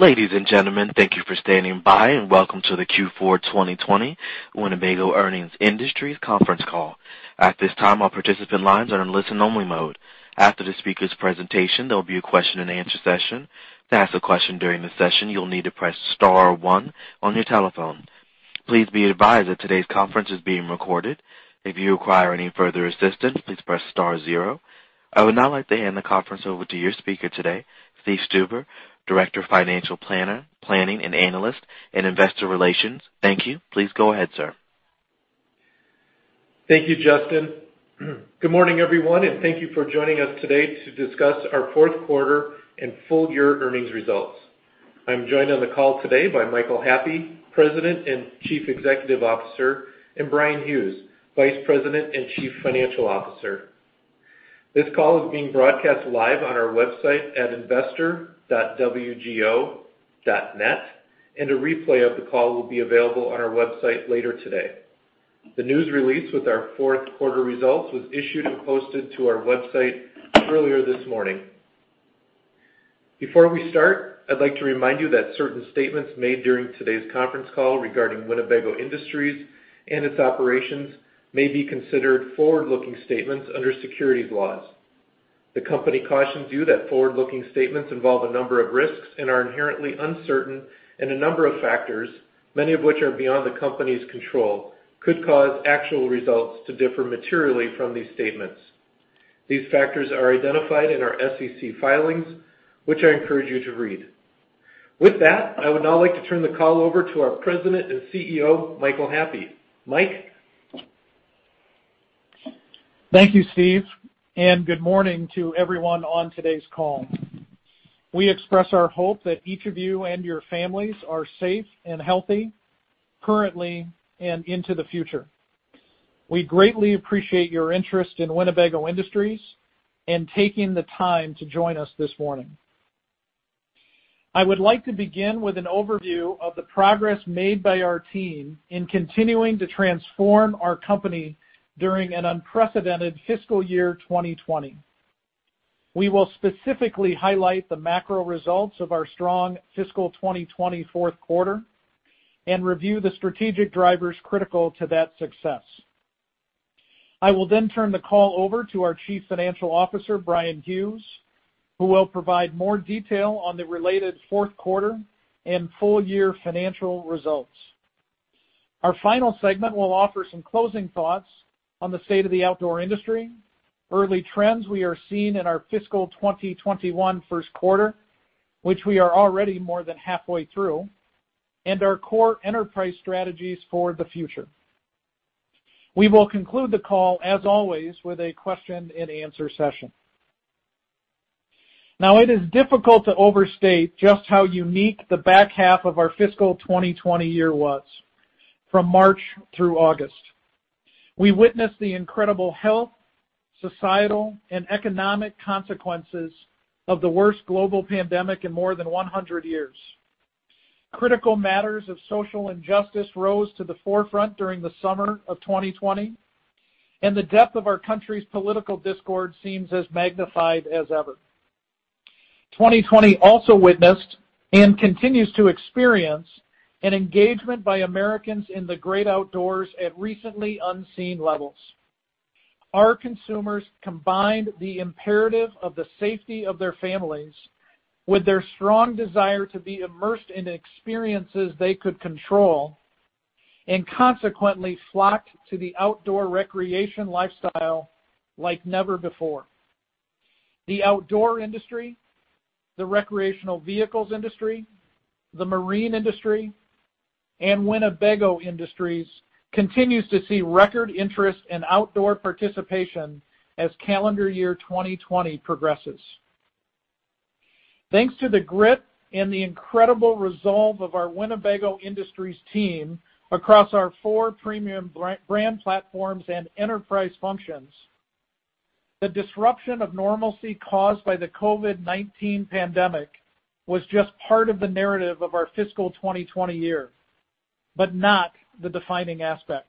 Ladies and gentlemen, thank you for standing by and welcome to the Q4 2020 Winnebago Industries Earnings conference call. At this time, all participant lines are in listen-only mode. After the speaker's presentation, there will be a question-and-answer session. To ask a question during the session, you'll need to press star one on your telephone. Please be advised that today's conference is being recorded. If you require any further assistance, please press star zero. I would now like to hand the conference over to your speaker today, Steve Stuber, Director of Financial Planning and Analysis and Investor Relations. Thank you. Please go ahead, sir. Thank you, Justin. Good morning, everyone, and thank you for joining us today to discuss our fourth quarter and full-year earnings results. I'm joined on the call today by Michael Happe, President and Chief Executive Officer, and Bryan Hughes, Vice President and Chief Financial Officer. This call is being broadcast live on our website at investor.wgo.net, and a replay of the call will be available on our website later today. The news release with our fourth quarter results was issued and posted to our website earlier this morning. Before we start, I'd like to remind you that certain statements made during today's conference call regarding Winnebago Industries and its operations may be considered forward-looking statements under securities laws. The company cautions you that forward-looking statements involve a number of risks and are inherently uncertain, and a number of factors, many of which are beyond the company's control, could cause actual results to differ materially from these statements. These factors are identified in our SEC filings, which I encourage you to read. With that, I would now like to turn the call over to our President and CEO, Michael Happe. Mike. Thank you, Steve, and good morning to everyone on today's call. We express our hope that each of you and your families are safe and healthy currently and into the future. We greatly appreciate your interest in Winnebago Industries and taking the time to join us this morning. I would like to begin with an overview of the progress made by our team in continuing to transform our company during an unprecedented fiscal year 2020. We will specifically highlight the macro results of our strong fiscal 2020 fourth quarter and review the strategic drivers critical to that success. I will then turn the call over to our Chief Financial Officer, Bryan Hughes, who will provide more detail on the related fourth quarter and full-year financial results. Our final segment will offer some closing thoughts on the state of the outdoor industry, early trends we are seeing in our fiscal 2021 first quarter, which we are already more than halfway through, and our core enterprise strategies for the future. We will conclude the call, as always, with a question-and-answer session. Now, it is difficult to overstate just how unique the back half of our fiscal 2020 year was from March through August. We witnessed the incredible health, societal, and economic consequences of the worst global pandemic in more than 100 years. Critical matters of social injustice rose to the forefront during the summer of 2020, and the depth of our country's political discord seems as magnified as ever. 2020 also witnessed and continues to experience an engagement by Americans in the great outdoors at recently unseen levels. Our consumers combined the imperative of the safety of their families with their strong desire to be immersed in experiences they could control and consequently flocked to the outdoor recreation lifestyle like never before. The outdoor industry, the recreational vehicles industry, the marine industry, and Winnebago Industries continue to see record interest in outdoor participation as calendar year 2020 progresses. Thanks to the grit and the incredible resolve of our Winnebago Industries team across our four premium brand platforms and enterprise functions, the disruption of normalcy caused by the COVID-19 pandemic was just part of the narrative of our fiscal 2020 year, but not the defining aspect.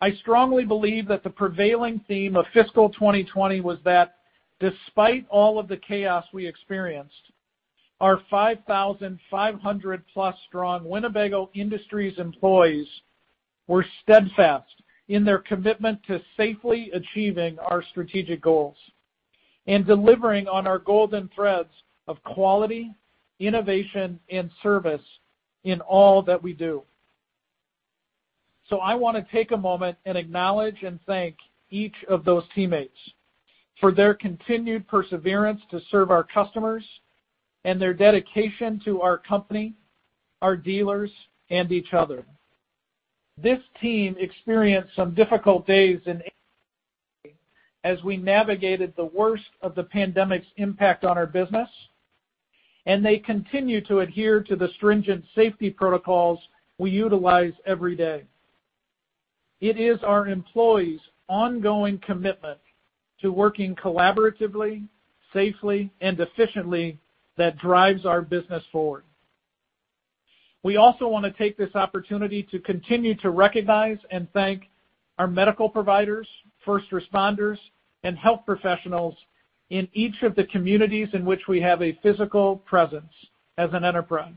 I strongly believe that the prevailing theme of fiscal 2020 was that despite all of the chaos we experienced, our 5,500-plus strong Winnebago Industries employees were steadfast in their commitment to safely achieving our strategic goals and delivering on our golden threads of quality, innovation, and service in all that we do. So I want to take a moment and acknowledge and thank each of those teammates for their continued perseverance to serve our customers and their dedication to our company, our dealers, and each other. This team experienced some difficult days as we navigated the worst of the pandemic's impact on our business, and they continue to adhere to the stringent safety protocols we utilize every day. It is our employees' ongoing commitment to working collaboratively, safely, and efficiently that drives our business forward. We also want to take this opportunity to continue to recognize and thank our medical providers, first responders, and health professionals in each of the communities in which we have a physical presence as an enterprise.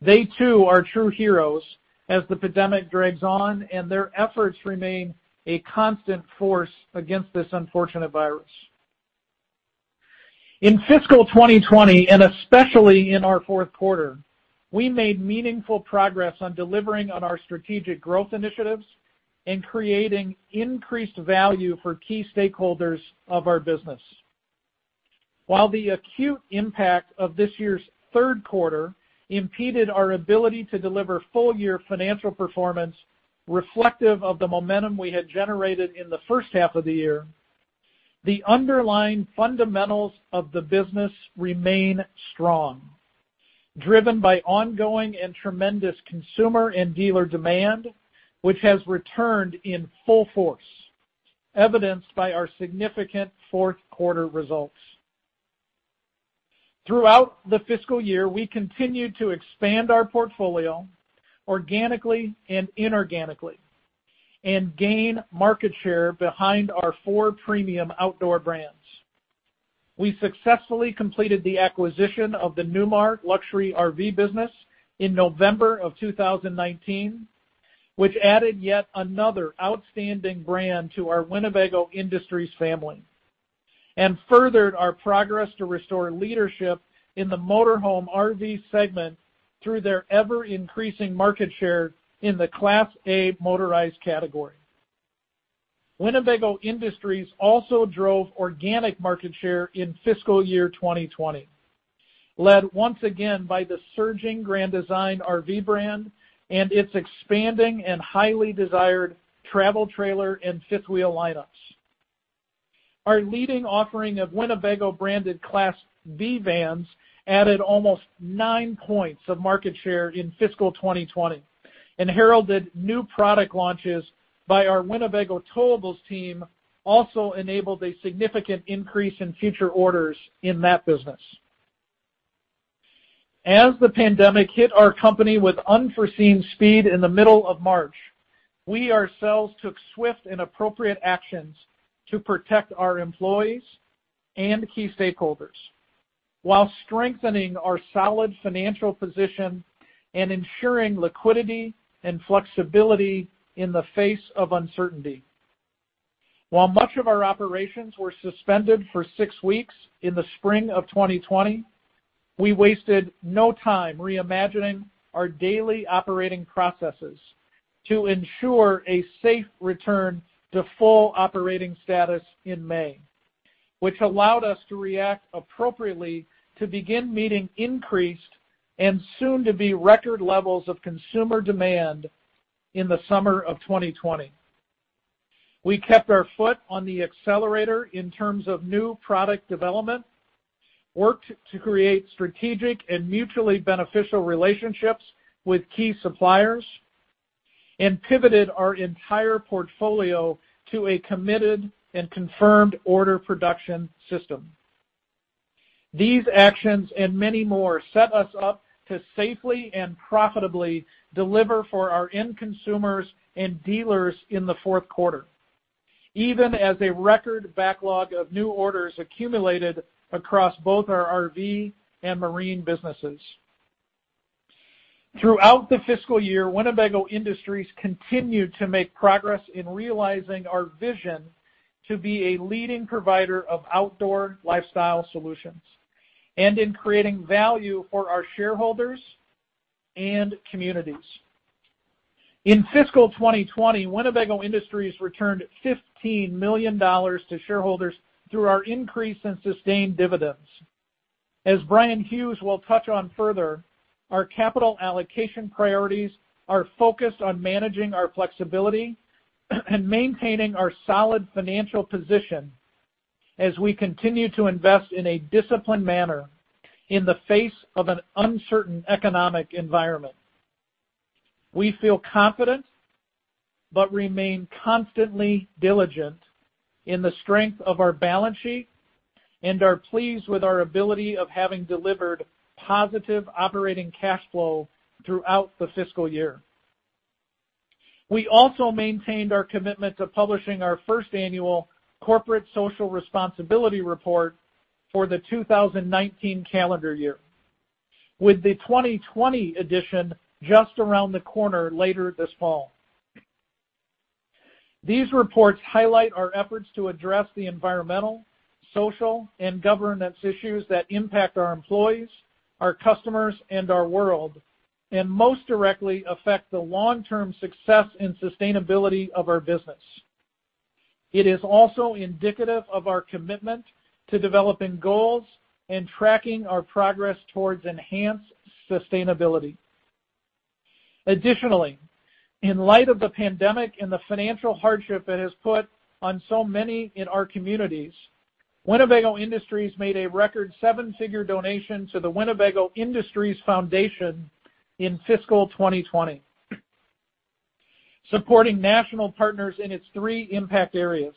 They, too, are true heroes as the pandemic drags on, and their efforts remain a constant force against this unfortunate virus. In fiscal 2020, and especially in our fourth quarter, we made meaningful progress on delivering on our strategic growth initiatives and creating increased value for key stakeholders of our business. While the acute impact of this year's third quarter impeded our ability to deliver full-year financial performance reflective of the momentum we had generated in the first half of the year, the underlying fundamentals of the business remain strong, driven by ongoing and tremendous consumer and dealer demand, which has returned in full force, evidenced by our significant fourth quarter results. Throughout the fiscal year, we continued to expand our portfolio organically and inorganically and gain market share behind our four premium outdoor brands. We successfully completed the acquisition of the Newmar Luxury RV business in November of 2019, which added yet another outstanding brand to our Winnebago Industries family and furthered our progress to restore leadership in the motorhome RV segment through their ever-increasing market share in the Class A motorized category. Winnebago Industries also drove organic market share in fiscal year 2020, led once again by the surging Grand Design RV brand and its expanding and highly desired travel trailer and fifth-wheel lineups. Our leading offering of Winnebago-branded Class B vans added almost nine points of market share in fiscal 2020 and heralded new product launches by our Winnebago Towables team, also enabled a significant increase in future orders in that business. As the pandemic hit our company with unforeseen speed in the middle of March, we ourselves took swift and appropriate actions to protect our employees and key stakeholders while strengthening our solid financial position and ensuring liquidity and flexibility in the face of uncertainty. While much of our operations were suspended for six weeks in the spring of 2020, we wasted no time reimagining our daily operating processes to ensure a safe return to full operating status in May, which allowed us to react appropriately to begin meeting increased and soon-to-be record levels of consumer demand in the summer of 2020. We kept our foot on the accelerator in terms of new product development, worked to create strategic and mutually beneficial relationships with key suppliers, and pivoted our entire portfolio to a committed and confirmed order production system. These actions and many more set us up to safely and profitably deliver for our end consumers and dealers in the fourth quarter, even as a record backlog of new orders accumulated across both our RV and marine businesses. Throughout the fiscal year, Winnebago Industries continued to make progress in realizing our vision to be a leading provider of outdoor lifestyle solutions and in creating value for our shareholders and communities. In fiscal 2020, Winnebago Industries returned $15 million to shareholders through our increase in sustained dividends. As Bryan Hughes will touch on further, our capital allocation priorities are focused on managing our flexibility and maintaining our solid financial position as we continue to invest in a disciplined manner in the face of an uncertain economic environment. We feel confident but remain constantly diligent in the strength of our balance sheet and are pleased with our ability of having delivered positive operating cash flow throughout the fiscal year. We also maintained our commitment to publishing our first annual Corporate Social Responsibility Report for the 2019 calendar year, with the 2020 edition just around the corner later this fall. These reports highlight our efforts to address the environmental, social, and governance issues that impact our employees, our customers, and our world, and most directly affect the long-term success and sustainability of our business. It is also indicative of our commitment to developing goals and tracking our progress towards enhanced sustainability. Additionally, in light of the pandemic and the financial hardship it has put on so many in our communities, Winnebago Industries made a record seven-figure donation to the Winnebago Industries Foundation in fiscal 2020, supporting national partners in its three impact areas: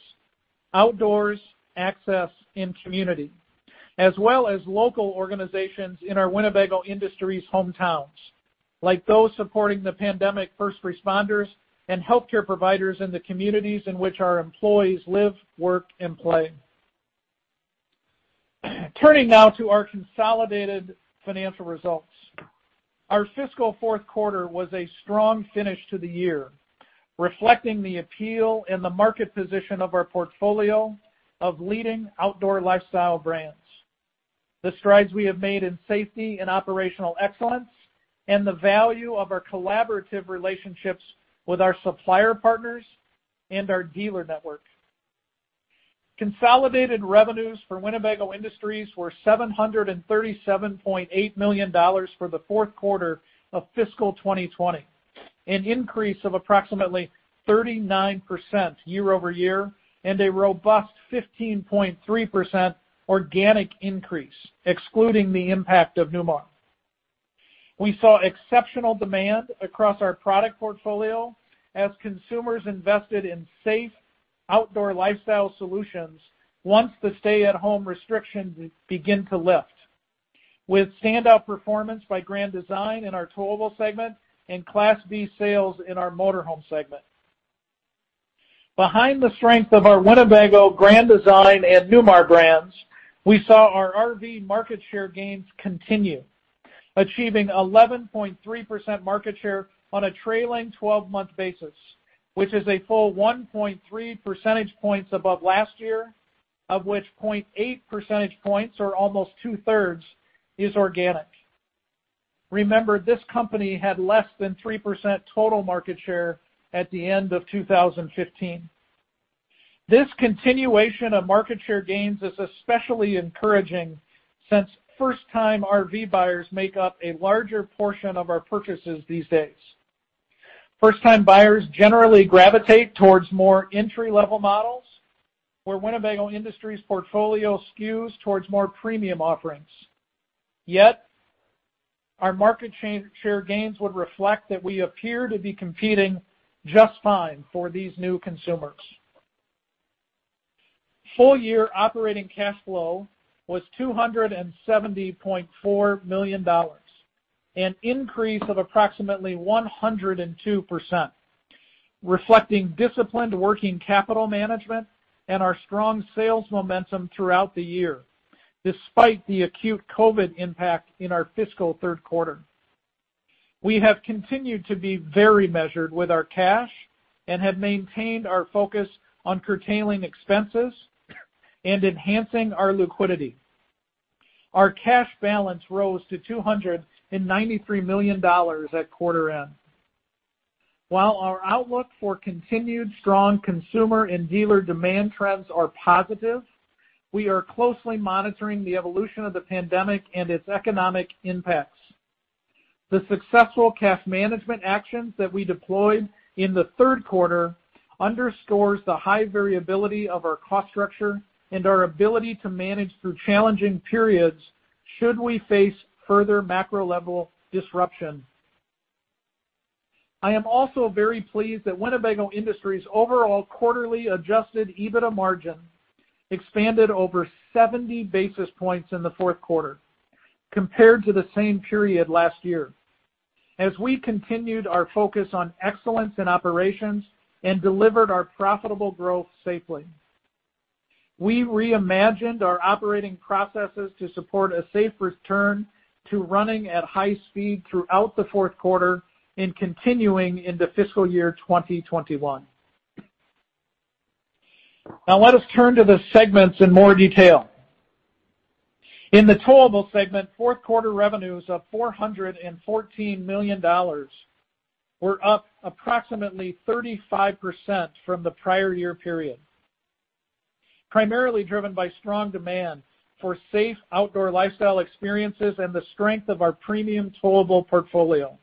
outdoors, access, and community, as well as local organizations in our Winnebago Industries hometowns, like those supporting the pandemic first responders and healthcare providers in the communities in which our employees live, work, and play. Turning now to our consolidated financial results, our fiscal fourth quarter was a strong finish to the year, reflecting the appeal and the market position of our portfolio of leading outdoor lifestyle brands, the strides we have made in safety and operational excellence, and the value of our collaborative relationships with our supplier partners and our dealer network. Consolidated revenues for Winnebago Industries were $737.8 million for the fourth quarter of fiscal 2020, an increase of approximately 39% year-over-year and a robust 15.3% organic increase, excluding the impact of Newmar. We saw exceptional demand across our product portfolio as consumers invested in safe outdoor lifestyle solutions once the stay-at-home restrictions began to lift, with standout performance by Grand Design in our Towable segment and Class B sales in our motorhome segment. Behind the strength of our Winnebago, Grand Design, and Newmar brands, we saw our RV market share gains continue, achieving 11.3% market share on a trailing 12-month basis, which is a full 1.3 percentage points above last year, of which 0.8 percentage points, or almost two-thirds, is organic. Remember, this company had less than 3% total market share at the end of 2015. This continuation of market share gains is especially encouraging since first-time RV buyers make up a larger portion of our purchases these days. First-time buyers generally gravitate towards more entry-level models, where Winnebago Industries' portfolio skews towards more premium offerings. Yet, our market share gains would reflect that we appear to be competing just fine for these new consumers. Full-year operating cash flow was $270.4 million, an increase of approximately 102%, reflecting disciplined working capital management and our strong sales momentum throughout the year, despite the acute COVID impact in our fiscal third quarter. We have continued to be very measured with our cash and have maintained our focus on curtailing expenses and enhancing our liquidity. Our cash balance rose to $293 million at quarter end. While our outlook for continued strong consumer and dealer demand trends is positive, we are closely monitoring the evolution of the pandemic and its economic impacts. The successful cash management actions that we deployed in the third quarter underscore the high variability of our cost structure and our ability to manage through challenging periods should we face further macro-level disruption. I am also very pleased that Winnebago Industries' overall quarterly Adjusted EBITDA margin expanded over 70 basis points in the fourth quarter compared to the same period last year, as we continued our focus on excellence in operations and delivered our profitable growth safely. We reimagined our operating processes to support a safe return to running at high speed throughout the fourth quarter and continuing into fiscal year 2021. Now, let us turn to the segments in more detail. In the Towable segment, fourth quarter revenues of $414 million were up approximately 35% from the prior year period, primarily driven by strong demand for safe outdoor lifestyle experiences and the strength of our premium Towable portfolio.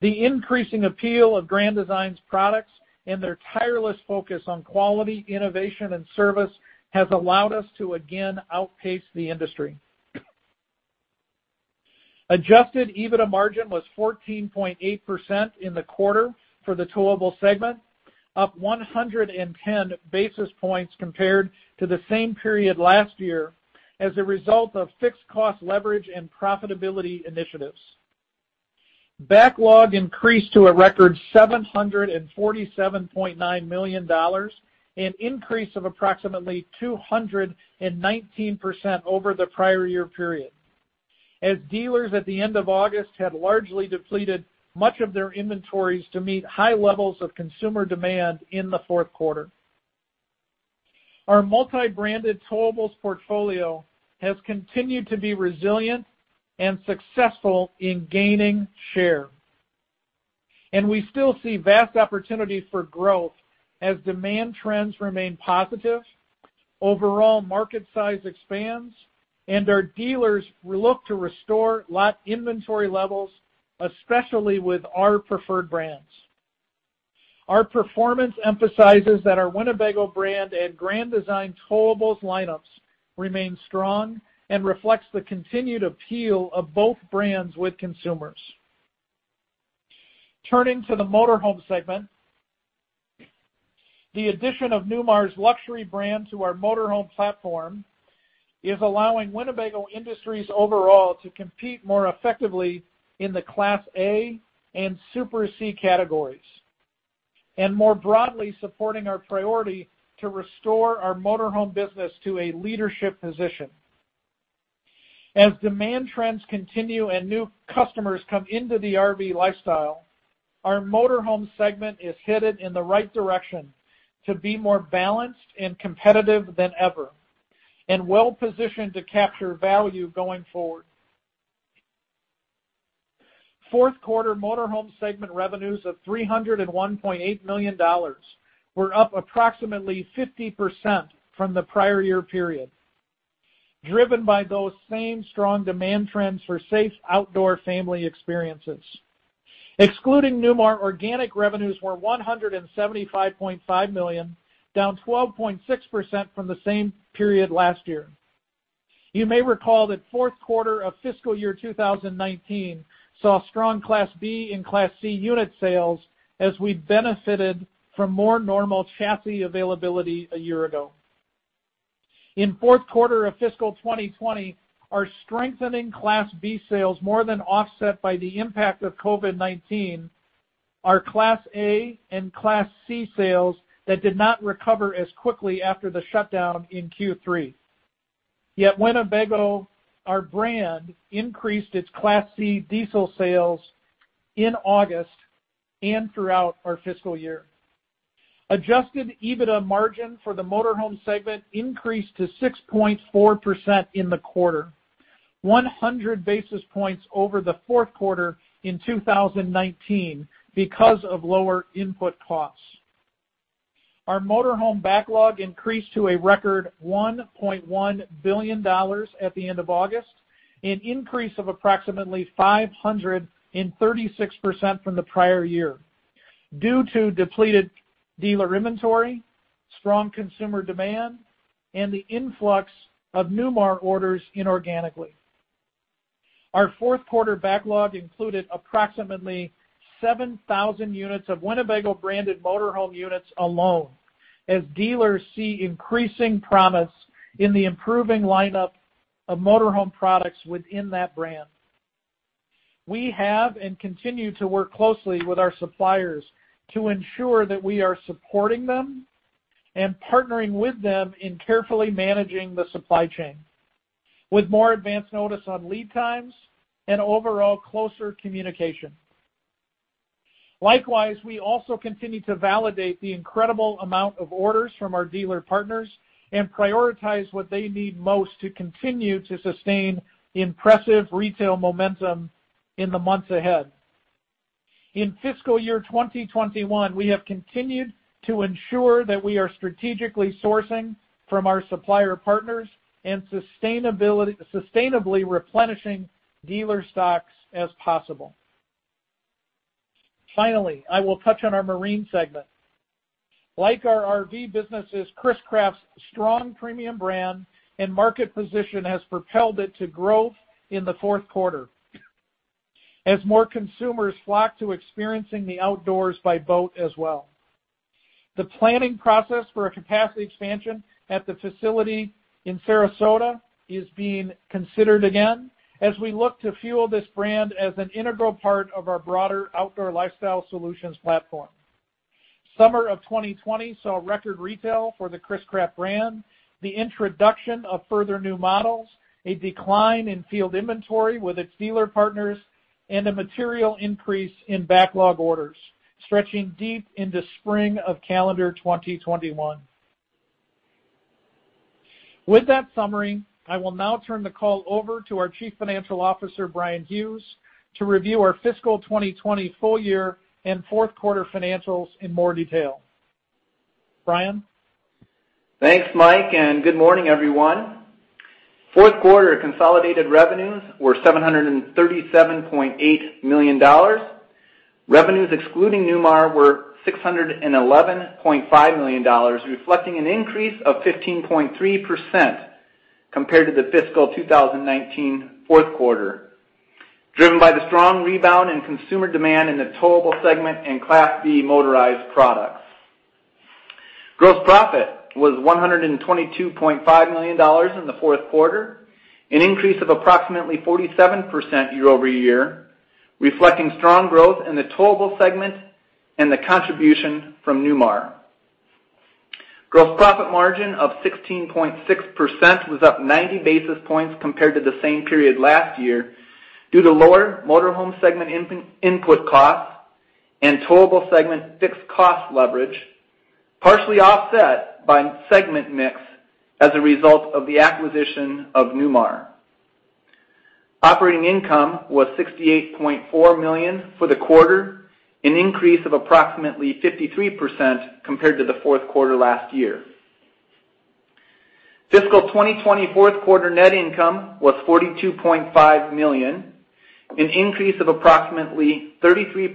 The increasing appeal of Grand Design's products and their tireless focus on quality, innovation, and service has allowed us to again outpace the industry. Adjusted EBITDA margin was 14.8% in the quarter for the Towable segment, up 110 basis points compared to the same period last year as a result of fixed cost leverage and profitability initiatives. Backlog increased to a record $747.9 million and an increase of approximately 219% over the prior year period, as dealers at the end of August had largely depleted much of their inventories to meet high levels of consumer demand in the fourth quarter. Our multi-branded Towables portfolio has continued to be resilient and successful in gaining share, and we still see vast opportunities for growth as demand trends remain positive, overall market size expands, and our dealers look to restore lot inventory levels, especially with our preferred brands. Our performance emphasizes that our Winnebago brand and Grand Design Towables lineups remain strong and reflects the continued appeal of both brands with consumers. Turning to the motorhome segment, the addition of Newmar's Luxury brand to our motorhome platform is allowing Winnebago Industries overall to compete more effectively in the Class A and Super C categories and more broadly supporting our priority to restore our motorhome business to a leadership position. As demand trends continue and new customers come into the RV lifestyle, our motorhome segment is headed in the right direction to be more balanced and competitive than ever and well-positioned to capture value going forward. Fourth quarter motorhome segment revenues of $301.8 million were up approximately 50% from the prior year period, driven by those same strong demand trends for safe outdoor family experiences. Excluding Newmar, organic revenues were $175.5 million, down 12.6% from the same period last year. You may recall that fourth quarter of fiscal year 2019 saw strong Class B and Class C unit sales as we benefited from more normal chassis availability a year ago. In fourth quarter of fiscal 2020, our strengthening Class B sales more than offset by the impact of COVID-19, our Class A and Class C sales that did not recover as quickly after the shutdown in Q3. Yet, Winnebago, our brand, increased its Class C diesel sales in August and throughout our fiscal year. Adjusted EBITDA margin for the motorhome segment increased to 6.4% in the quarter, 100 basis points over the fourth quarter in 2019 because of lower input costs. Our motorhome backlog increased to a record $1.1 billion at the end of August, an increase of approximately 536% from the prior year due to depleted dealer inventory, strong consumer demand, and the influx of Newmar orders inorganically. Our fourth quarter backlog included approximately 7,000 units of Winnebago branded motorhome units alone, as dealers see increasing promise in the improving lineup of motorhome products within that brand. We have and continue to work closely with our suppliers to ensure that we are supporting them and partnering with them in carefully managing the supply chain, with more advanced notice on lead times and overall closer communication. Likewise, we also continue to validate the incredible amount of orders from our dealer partners and prioritize what they need most to continue to sustain impressive retail momentum in the months ahead. In fiscal year 2021, we have continued to ensure that we are strategically sourcing from our supplier partners and sustainably replenishing dealer stocks as possible. Finally, I will touch on our marine segment. Like our RV businesses, Chris-Craft's strong premium brand and market position have propelled it to growth in the fourth quarter, as more consumers flock to experiencing the outdoors by boat as well. The planning process for a capacity expansion at the facility in Sarasota is being considered again as we look to fuel this brand as an integral part of our broader outdoor lifestyle solutions platform. Summer of 2020 saw record retail for the Chris-Craft brand, the introduction of further new models, a decline in field inventory with its dealer partners, and a material increase in backlog orders stretching deep into spring of calendar 2021. With that summary, I will now turn the call over to our Chief Financial Officer, Bryan Hughes, to review our fiscal 2020 full-year and fourth quarter financials in more detail. Bryan? Thanks, Mike, and good morning, everyone. Fourth quarter consolidated revenues were $737.8 million. Revenues excluding Newmar were $611.5 million, reflecting an increase of 15.3% compared to the fiscal 2019 fourth quarter, driven by the strong rebound in consumer demand in the Towable segment and Class B motorized products. Gross profit was $122.5 million in the fourth quarter, an increase of approximately 47% year-over-year, reflecting strong growth in the Towable segment and the contribution from Newmar. Gross profit margin of 16.6% was up 90 basis points compared to the same period last year due to lower motorhome segment input costs and Towable segment fixed cost leverage, partially offset by segment mix as a result of the acquisition of Newmar. Operating income was $68.4 million for the quarter, an increase of approximately 53% compared to the fourth quarter last year. Fiscal 2020 fourth quarter net income was $42.5 million, an increase of approximately 33%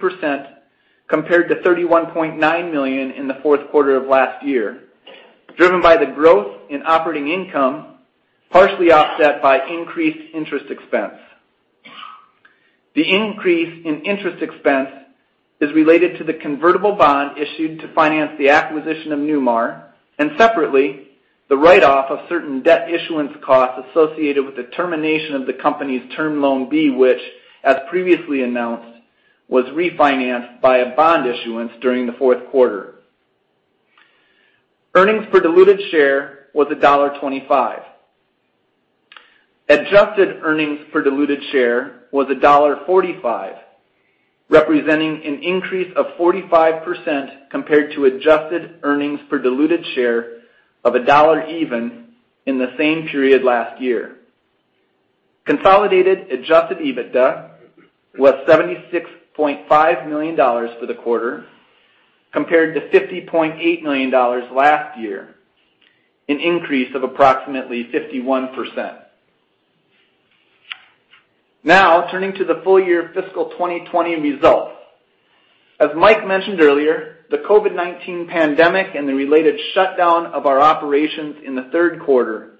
compared to $31.9 million in the fourth quarter of last year, driven by the growth in operating income, partially offset by increased interest expense. The increase in interest expense is related to the convertible bond issued to finance the acquisition of Newmar and, separately, the write-off of certain debt issuance costs associated with the termination of the company's term loan B, which, as previously announced, was refinanced by a bond issuance during the fourth quarter. Earnings per diluted share was $1.25. Adjusted earnings per diluted share was $1.45, representing an increase of 45% compared to adjusted earnings per diluted share of $1.00 even in the same period last year. Consolidated adjusted EBITDA was $76.5 million for the quarter, compared to $50.8 million last year, an increase of approximately 51%. Now, turning to the full-year fiscal 2020 results. As Mike mentioned earlier, the COVID-19 pandemic and the related shutdown of our operations in the third quarter,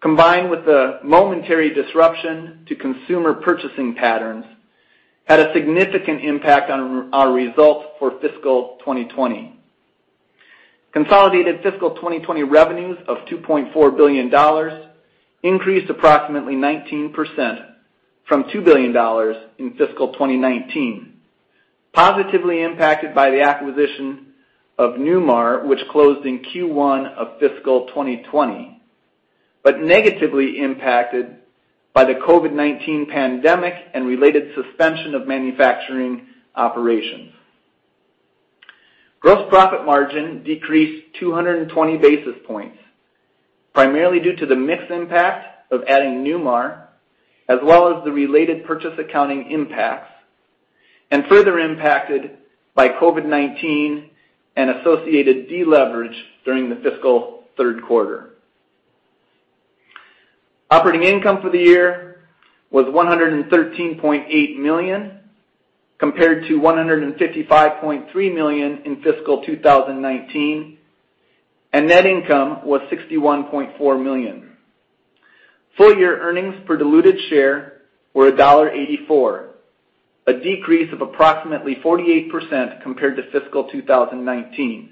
combined with the momentary disruption to consumer purchasing patterns, had a significant impact on our results for fiscal 2020. Consolidated fiscal 2020 revenues of $2.4 billion increased approximately 19% from $2 billion in fiscal 2019, positively impacted by the acquisition of Newmar, which closed in Q1 of fiscal 2020, but negatively impacted by the COVID-19 pandemic and related suspension of manufacturing operations. Gross profit margin decreased 220 basis points, primarily due to the mixed impact of adding Newmar, as well as the related purchase accounting impacts, and further impacted by COVID-19 and associated deleverage during the fiscal third quarter. Operating income for the year was $113.8 million compared to $155.3 million in fiscal 2019, and net income was $61.4 million. Full-year earnings per diluted share were $1.84, a decrease of approximately 48% compared to fiscal 2019.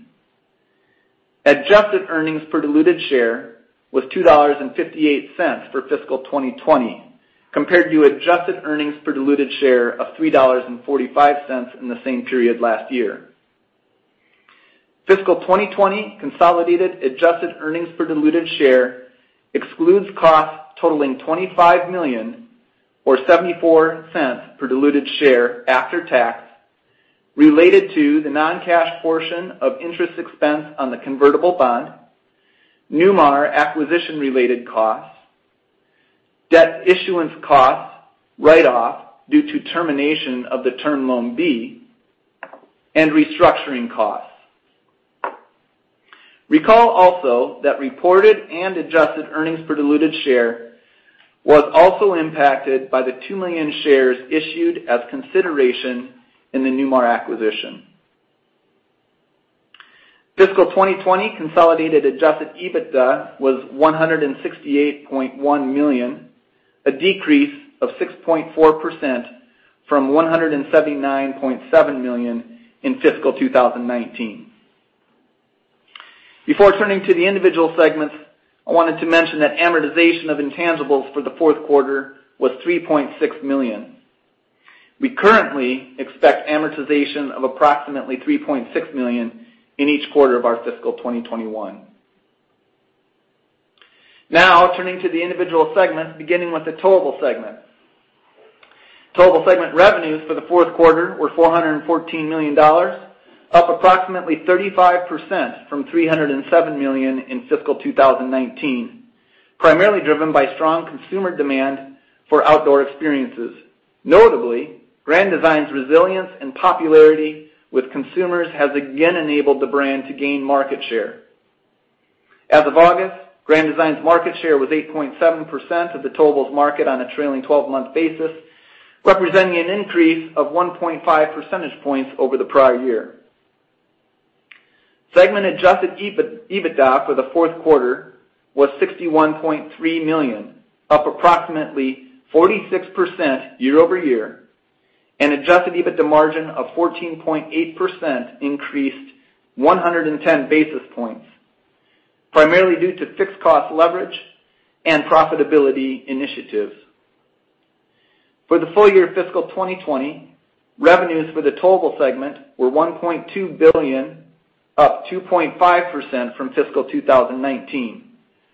Adjusted earnings per diluted share was $2.58 for fiscal 2020, compared to adjusted earnings per diluted share of $3.45 in the same period last year. Fiscal 2020 consolidated adjusted earnings per diluted share excludes costs totaling $25.74 per diluted share after tax, related to the non-cash portion of interest expense on the convertible bond, Newmar acquisition-related costs, debt issuance costs, write-off due to termination of the term loan B, and restructuring costs. Recall also that reported and adjusted earnings per diluted share was also impacted by the 2 million shares issued as consideration in the Newmar acquisition. Fiscal 2020 consolidated adjusted EBITDA was $168.1 million, a decrease of 6.4% from $179.7 million in fiscal 2019. Before turning to the individual segments, I wanted to mention that amortization of intangibles for the fourth quarter was $3.6 million. We currently expect amortization of approximately $3.6 million in each quarter of our fiscal 2021. Now, turning to the individual segments, beginning with the Towable segment. Towable segment revenues for the fourth quarter were $414 million, up approximately 35% from $307 million in fiscal 2019, primarily driven by strong consumer demand for outdoor experiences. Notably, Grand Design's resilience and popularity with consumers has again enabled the brand to gain market share. As of August, Grand Design's market share was 8.7% of the Towable's market on a trailing 12-month basis, representing an increase of 1.5 percentage points over the prior year. Segment adjusted EBITDA for the fourth quarter was $61.3 million, up approximately 46% year-over-year, and adjusted EBITDA margin of 14.8% increased 110 basis points, primarily due to fixed cost leverage and profitability initiatives. For the full-year fiscal 2020, revenues for the Towable segment were $1.2 billion, up 2.5% from fiscal 2019,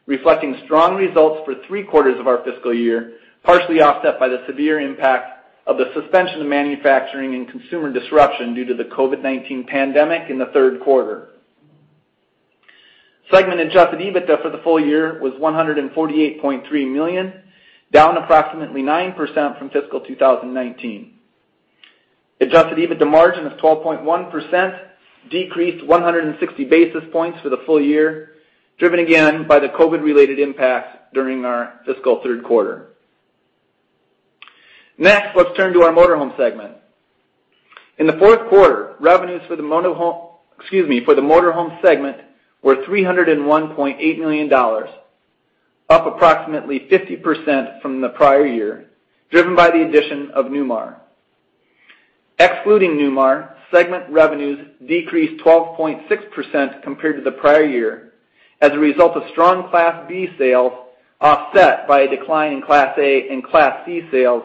reflecting strong results for three quarters of our fiscal year, partially offset by the severe impact of the suspension of manufacturing and consumer disruption due to the COVID-19 pandemic in the third quarter. Segment adjusted EBITDA for the full year was $148.3 million, down approximately 9% from fiscal 2019. Adjusted EBITDA margin of 12.1% decreased 160 basis points for the full year, driven again by the COVID-related impacts during our fiscal third quarter. Next, let's turn to our motorhome segment. In the fourth quarter, revenues for the motorhome segment were $301.8 million, up approximately 50% from the prior year, driven by the addition of Newmar. Excluding Newmar, segment revenues decreased 12.6% compared to the prior year as a result of strong Class B sales, offset by a decline in Class A and Class C sales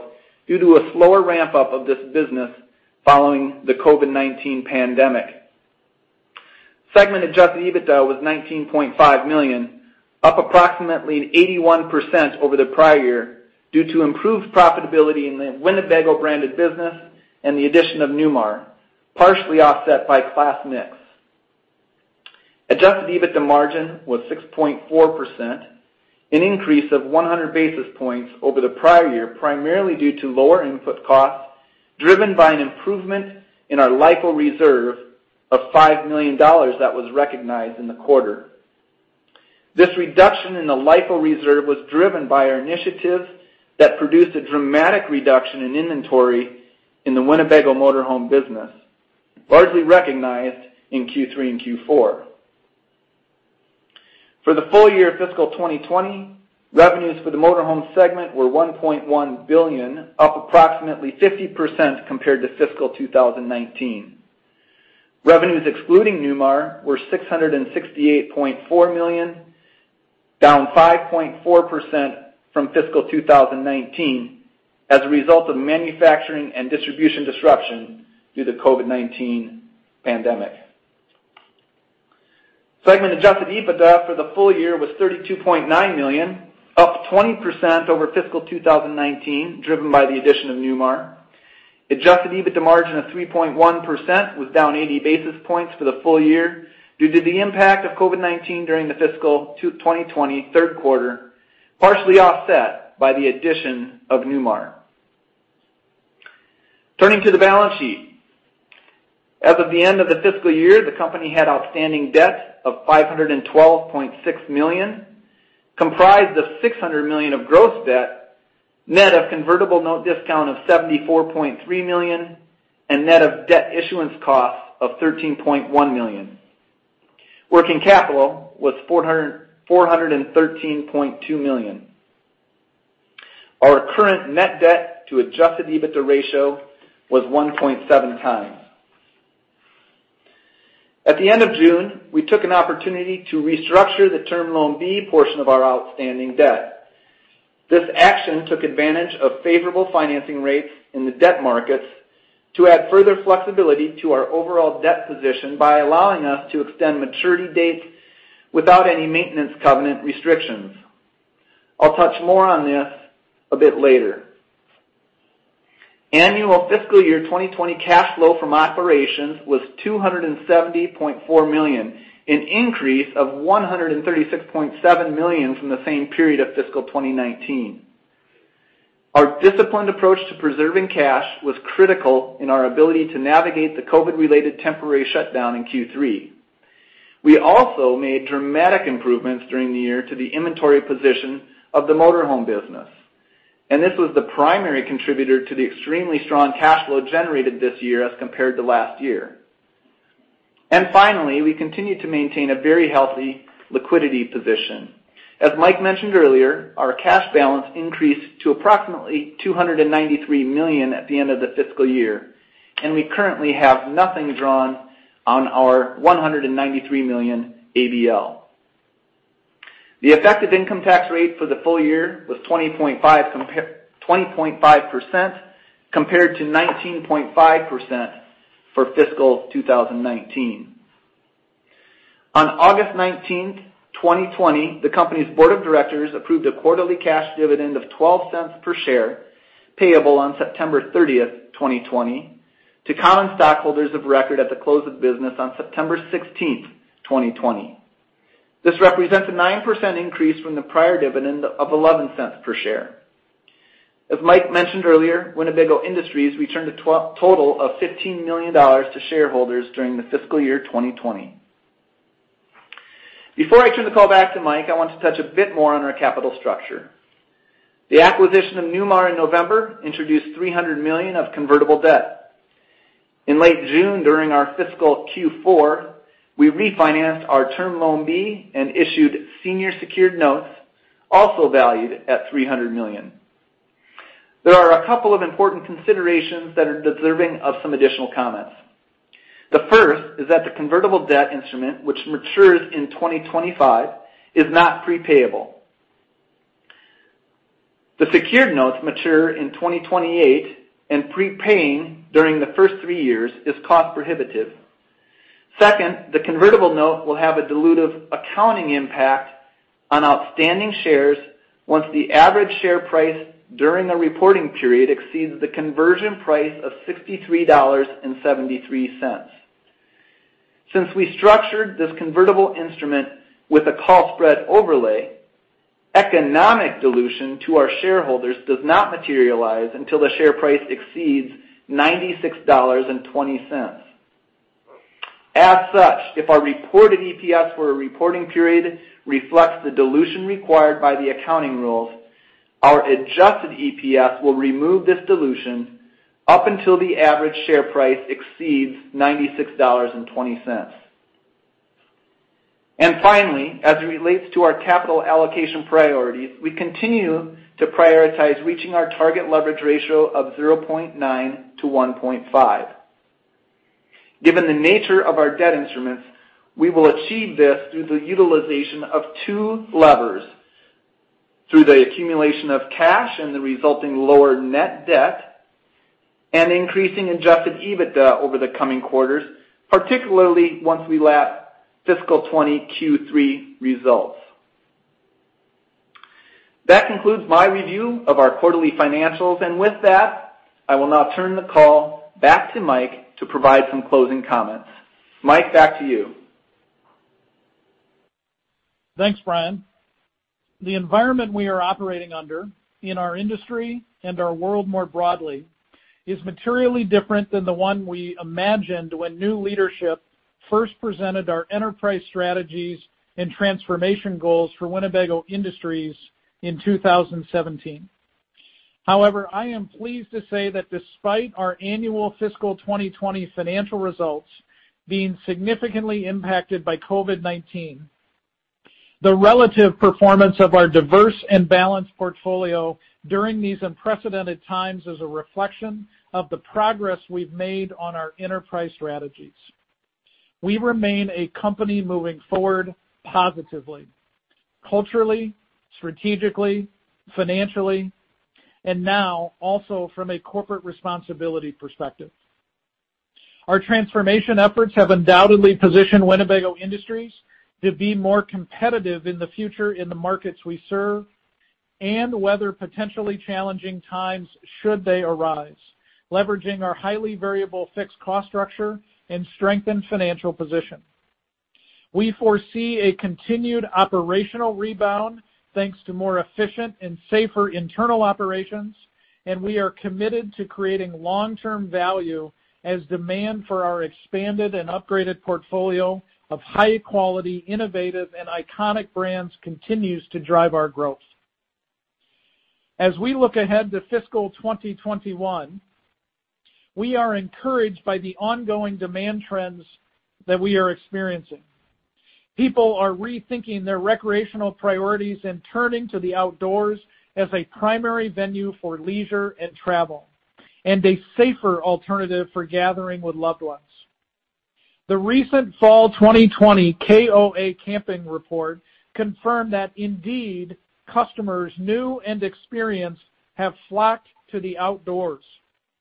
due to a slower ramp-up of this business following the COVID-19 pandemic. Segment adjusted EBITDA was $19.5 million, up approximately 81% over the prior year due to improved profitability in the Winnebago branded business and the addition of Newmar, partially offset by class mix. Adjusted EBITDA margin was 6.4%, an increase of 100 basis points over the prior year, primarily due to lower input costs driven by an improvement in our LIFO reserve of $5 million that was recognized in the quarter. This reduction in the LIFO reserve was driven by our initiatives that produced a dramatic reduction in inventory in the Winnebago motorhome business, largely recognized in Q3 and Q4. For the full-year fiscal 2020, revenues for the motorhome segment were $1.1 billion, up approximately 50% compared to fiscal 2019. Revenues excluding Newmar were $668.4 million, down 5.4% from fiscal 2019 as a result of manufacturing and distribution disruption due to the COVID-19 pandemic. Segment adjusted EBITDA for the full year was $32.9 million, up 20% over fiscal 2019, driven by the addition of Newmar. Adjusted EBITDA margin of 3.1% was down 80 basis points for the full year due to the impact of COVID-19 during the fiscal 2020 third quarter, partially offset by the addition of Newmar. Turning to the balance sheet. As of the end of the fiscal year, the company had outstanding debt of $512.6 million, comprised of $600 million of gross debt, net of convertible note discount of $74.3 million, and net of debt issuance costs of $13.1 million. Working capital was $413.2 million. Our current net debt to adjusted EBITDA ratio was 1.7 times. At the end of June, we took an opportunity to restructure the term loan B portion of our outstanding debt. This action took advantage of favorable financing rates in the debt markets to add further flexibility to our overall debt position by allowing us to extend maturity dates without any maintenance covenant restrictions. I'll touch more on this a bit later. Annual fiscal year 2020 cash flow from operations was $270.4 million, an increase of $136.7 million from the same period of fiscal 2019. Our disciplined approach to preserving cash was critical in our ability to navigate the COVID-related temporary shutdown in Q3. We also made dramatic improvements during the year to the inventory position of the motorhome business, and this was the primary contributor to the extremely strong cash flow generated this year as compared to last year. Finally, we continue to maintain a very healthy liquidity position. As Mike mentioned earlier, our cash balance increased to approximately $293 million at the end of the fiscal year, and we currently have nothing drawn on our $193 million ABL. The effective income tax rate for the full year was 20.5% compared to 19.5% for fiscal 2019. On August 19, 2020, the company's board of directors approved a quarterly cash dividend of $0.12 per share, payable on September 30, 2020, to common stockholders of record at the close of business on September 16, 2020. This represents a 9% increase from the prior dividend of $0.11 per share. As Mike mentioned earlier, Winnebago Industries returned a total of $15 million to shareholders during the fiscal year 2020. Before I turn the call back to Mike, I want to touch a bit more on our capital structure. The acquisition of Newmar in November introduced $300 million of convertible debt. In late June, during our fiscal Q4, we refinanced our term loan B and issued senior secured notes, also valued at $300 million. There are a couple of important considerations that are deserving of some additional comments. The first is that the convertible debt instrument, which matures in 2025, is not prepayable. The secured notes mature in 2028, and prepaying during the first three years is cost prohibitive. Second, the convertible note will have a dilutive accounting impact on outstanding shares once the average share price during a reporting period exceeds the conversion price of $63.73. Since we structured this convertible instrument with a call spread overlay, economic dilution to our shareholders does not materialize until the share price exceeds $96.20. As such, if our reported EPS for a reporting period reflects the dilution required by the accounting rules, our adjusted EPS will remove this dilution up until the average share price exceeds $96.20. Finally, as it relates to our capital allocation priorities, we continue to prioritize reaching our target leverage ratio of 0.9-1.5. Given the nature of our debt instruments, we will achieve this through the utilization of two levers: through the accumulation of cash and the resulting lower net debt, and increasing adjusted EBITDA over the coming quarters, particularly once we lap fiscal 2020 Q3 results. That concludes my review of our quarterly financials, and with that, I will now turn the call back to Mike to provide some closing comments. Mike, back to you. Thanks, Brian. The environment we are operating under in our industry and our world more broadly is materially different than the one we imagined when new leadership first presented our enterprise strategies and transformation goals for Winnebago Industries in 2017. However, I am pleased to say that despite our annual fiscal 2020 financial results being significantly impacted by COVID-19, the relative performance of our diverse and balanced portfolio during these unprecedented times is a reflection of the progress we've made on our enterprise strategies. We remain a company moving forward positively: culturally, strategically, financially, and now also from a corporate responsibility perspective. Our transformation efforts have undoubtedly positioned Winnebago Industries to be more competitive in the future in the markets we serve and weather potentially challenging times should they arise, leveraging our highly variable fixed cost structure and strengthened financial position. We foresee a continued operational rebound thanks to more efficient and safer internal operations, and we are committed to creating long-term value as demand for our expanded and upgraded portfolio of high-quality, innovative, and iconic brands continues to drive our growth. As we look ahead to fiscal 2021, we are encouraged by the ongoing demand trends that we are experiencing. People are rethinking their recreational priorities and turning to the outdoors as a primary venue for leisure and travel, and a safer alternative for gathering with loved ones. The recent fall 2020 KOA Camping Report confirmed that indeed customers, new and experienced, have flocked to the outdoors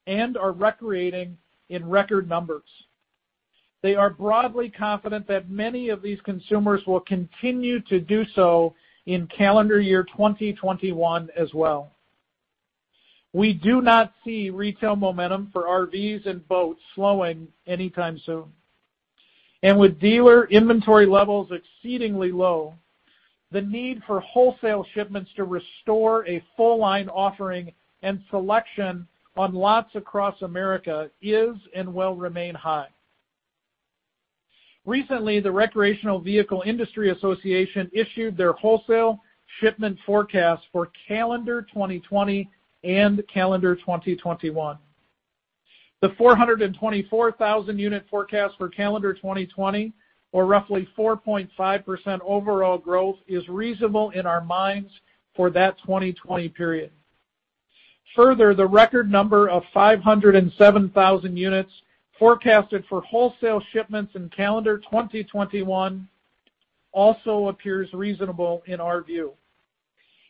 and are recreating in record numbers. They are broadly confident that many of these consumers will continue to do so in calendar year 2021 as well. We do not see retail momentum for RVs and boats slowing anytime soon. With dealer inventory levels exceedingly low, the need for wholesale shipments to restore a full line offering and selection on lots across America is and will remain high. Recently, the Recreational Vehicle Industry Association issued their wholesale shipment forecast for calendar 2020 and calendar 2021. The 424,000 unit forecast for calendar 2020, or roughly 4.5% overall growth, is reasonable in our minds for that 2020 period. Further, the record number of 507,000 units forecasted for wholesale shipments in calendar 2021 also appears reasonable in our view,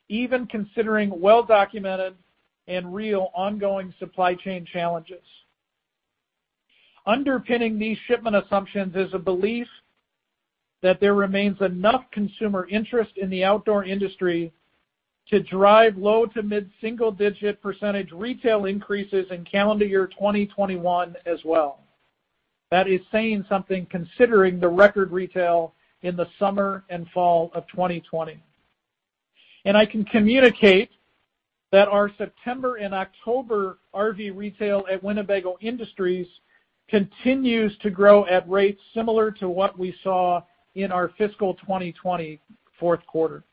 even considering well-documented and real ongoing supply chain challenges. Underpinning these shipment assumptions is a belief that there remains enough consumer interest in the outdoor industry to drive low- to mid-single-digit % retail increases in calendar year 2021 as well. That is saying something considering the record retail in the summer and fall of 2020. I can communicate that our September and October RV retail at Winnebago Industries continues to grow at rates similar to what we saw in our fiscal 2020 fourth quarter.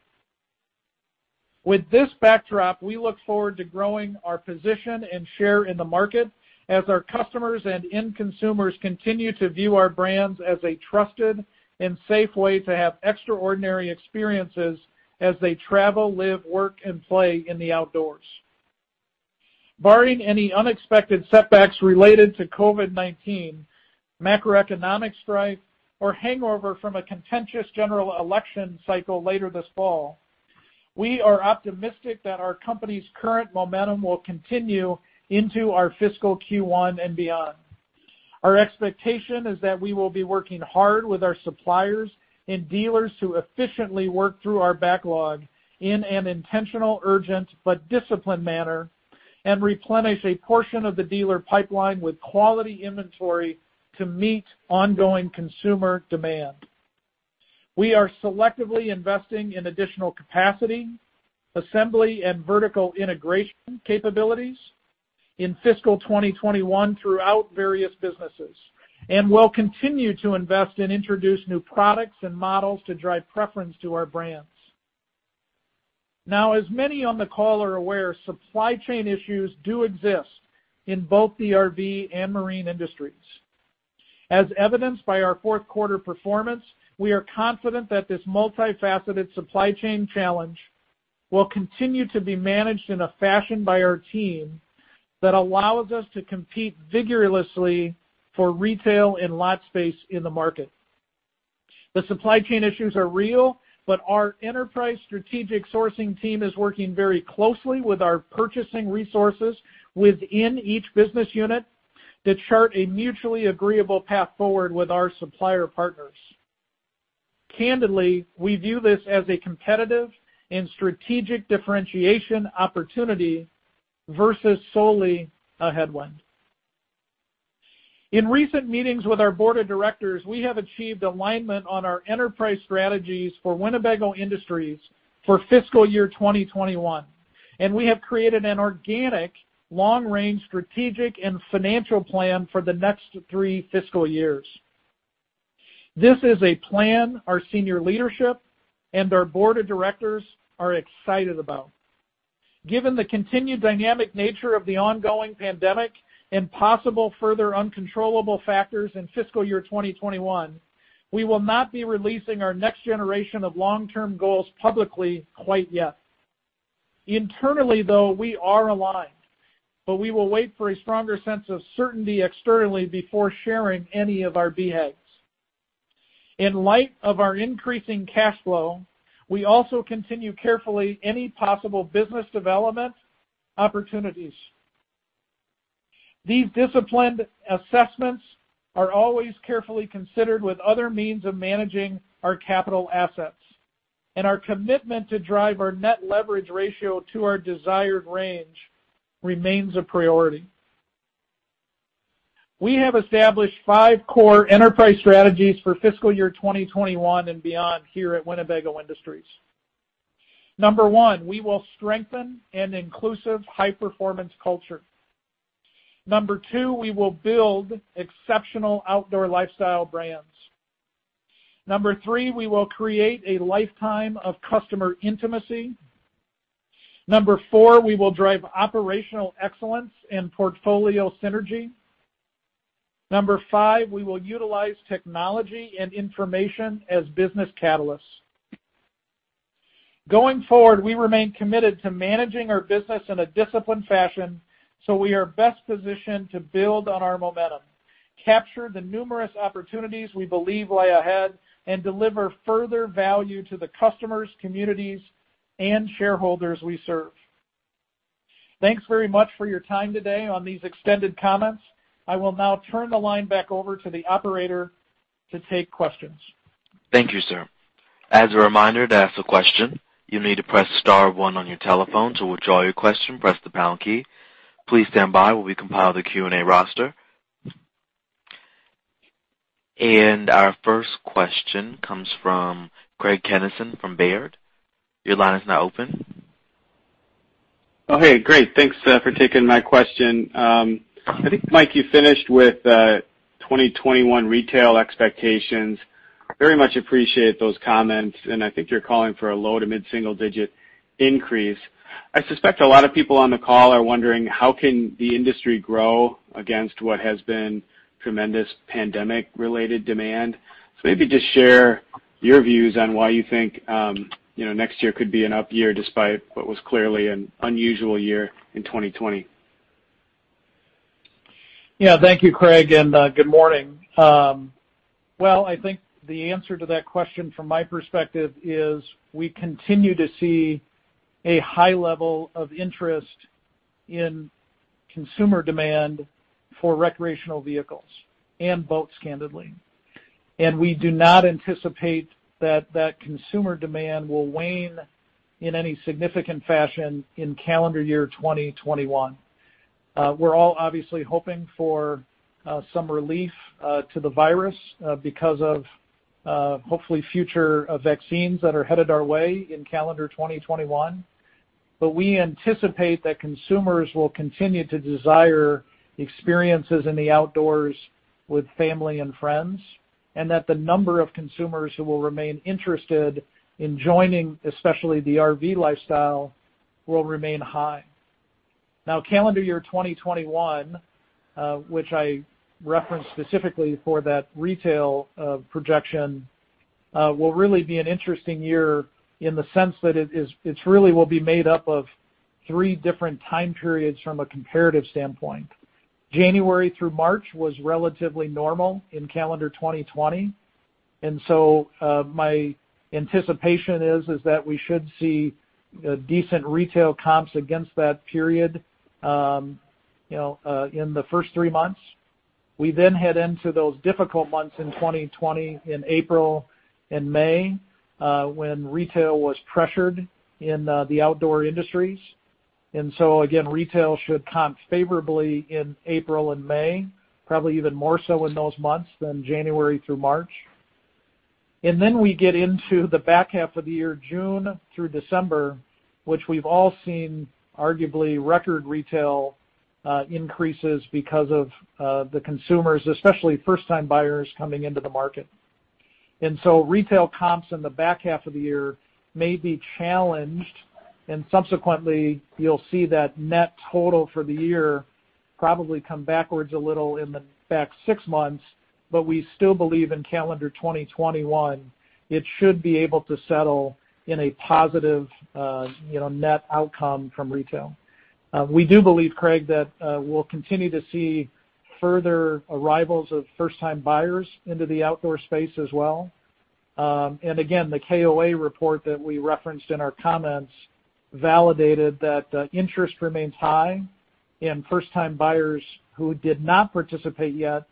With this backdrop, we look forward to growing our position and share in the market as our customers and end consumers continue to view our brands as a trusted and safe way to have extraordinary experiences as they travel, live, work, and play in the outdoors. Barring any unexpected setbacks related to COVID-19, macroeconomic strife, or hangover from a contentious general election cycle later this fall, we are optimistic that our company's current momentum will continue into our fiscal Q1 and beyond. Our expectation is that we will be working hard with our suppliers and dealers to efficiently work through our backlog in an intentional, urgent, but disciplined manner and replenish a portion of the dealer pipeline with quality inventory to meet ongoing consumer demand. We are selectively investing in additional capacity, assembly, and vertical integration capabilities in fiscal 2021 throughout various businesses, and will continue to invest and introduce new products and models to drive preference to our brands. Now, as many on the call are aware, supply chain issues do exist in both the RV and marine industries. As evidenced by our fourth quarter performance, we are confident that this multifaceted supply chain challenge will continue to be managed in a fashion by our team that allows us to compete vigorously for retail and lot space in the market. The supply chain issues are real, but our enterprise strategic sourcing team is working very closely with our purchasing resources within each business unit to chart a mutually agreeable path forward with our supplier partners. Candidly, we view this as a competitive and strategic differentiation opportunity versus solely a headwind. In recent meetings with our board of directors, we have achieved alignment on our enterprise strategies for Winnebago Industries for fiscal year 2021, and we have created an organic long-range strategic and financial plan for the next three fiscal years. This is a plan our senior leadership and our board of directors are excited about. Given the continued dynamic nature of the ongoing pandemic and possible further uncontrollable factors in fiscal year 2021, we will not be releasing our next generation of long-term goals publicly quite yet. Internally, though, we are aligned, but we will wait for a stronger sense of certainty externally before sharing any of our guidance. In light of our increasing cash flow, we also continue to carefully assess any possible business development opportunities. These disciplined assessments are always carefully considered with other means of managing our capital assets, and our commitment to drive our net leverage ratio to our desired range remains a priority. We have established five core enterprise strategies for fiscal year 2021 and beyond here at Winnebago Industries. Number one, we will strengthen an inclusive high-performance culture. Number two, we will build exceptional outdoor lifestyle brands. Number three, we will create a lifetime of customer intimacy. Number four, we will drive operational excellence and portfolio synergy. Number five, we will utilize technology and information as business catalysts. Going forward, we remain committed to managing our business in a disciplined fashion so we are best positioned to build on our momentum, capture the numerous opportunities we believe lie ahead, and deliver further value to the customers, communities, and shareholders we serve. Thanks very much for your time today on these extended comments. I will now turn the line back over to the operator to take questions. Thank you, sir. As a reminder to ask a question, you'll need to press star one on your telephone. To withdraw your question, press the pound key. Please stand by while we compile the Q&A roster, and our first question comes from Craig Kenison from Baird. Your line is now open. Oh, hey. Great. Thanks for taking my question. I think, Mike, you finished with 2021 retail expectations. Very much appreciate those comments, and I think you're calling for a low to mid-single-digit increase. I suspect a lot of people on the call are wondering how can the industry grow against what has been tremendous pandemic-related demand. So maybe just share your views on why you think next year could be an up year despite what was clearly an unusual year in 2020. Yeah. Thank you, Craig, and good morning. Well, I think the answer to that question from my perspective is we continue to see a high level of interest in consumer demand for recreational vehicles and boats, candidly. And we do not anticipate that that consumer demand will wane in any significant fashion in calendar year 2021. We're all obviously hoping for some relief to the virus because of hopefully future vaccines that are headed our way in calendar 2021. But we anticipate that consumers will continue to desire experiences in the outdoors with family and friends, and that the number of consumers who will remain interested in joining, especially the RV lifestyle, will remain high. Now, calendar year 2021, which I referenced specifically for that retail projection, will really be an interesting year in the sense that it really will be made up of three different time periods from a comparative standpoint. January through March was relatively normal in calendar 2020, and so my anticipation is that we should see decent retail comps against that period in the first three months. We then head into those difficult months in 2020 in April and May when retail was pressured in the outdoor industries, and so, again, retail should comp favorably in April and May, probably even more so in those months than January through March, and then we get into the back half of the year, June through December, which we've all seen arguably record retail increases because of the consumers, especially first-time buyers, coming into the market. And so retail comps in the back half of the year may be challenged, and subsequently, you'll see that net total for the year probably come backwards a little in the back six months. But we still believe in calendar 2021 it should be able to settle in a positive net outcome from retail. We do believe, Craig, that we'll continue to see further arrivals of first-time buyers into the outdoor space as well. And again, the KOA report that we referenced in our comments validated that interest remains high, and first-time buyers who did not participate yet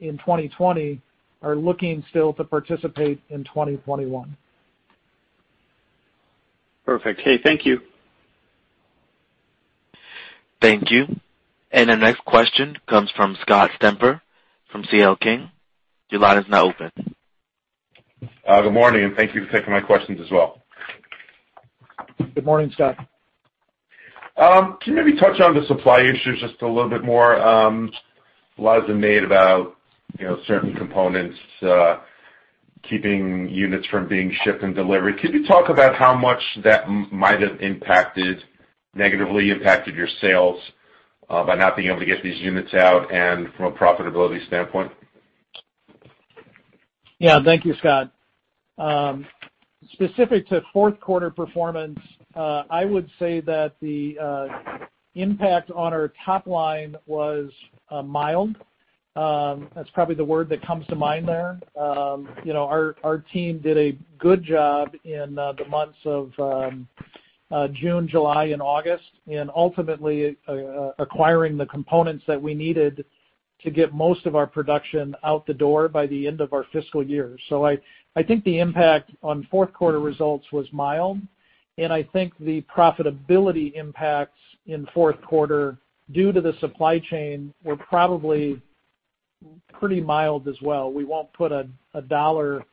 in 2020 are looking still to participate in 2021. Perfect. Hey, thank you. Thank you, and our next question comes from Scott Stember, from CL King. Your line is now open. Good morning, and thank you for taking my questions as well. Good morning, Scott. Can you maybe touch on the supply issues just a little bit more? A lot has been made about certain components keeping units from being shipped and delivered. Could you talk about how much that might have impacted, negatively impacted your sales by not being able to get these units out and from a profitability standpoint? Yeah. Thank you, Scott. Specific to fourth quarter performance, I would say that the impact on our top line was mild. That's probably the word that comes to mind there. Our team did a good job in the months of June, July, and August in ultimately acquiring the components that we needed to get most of our production out the door by the end of our fiscal year. So I think the impact on fourth quarter results was mild, and I think the profitability impacts in fourth quarter due to the supply chain were probably pretty mild as well. We won't put a dollar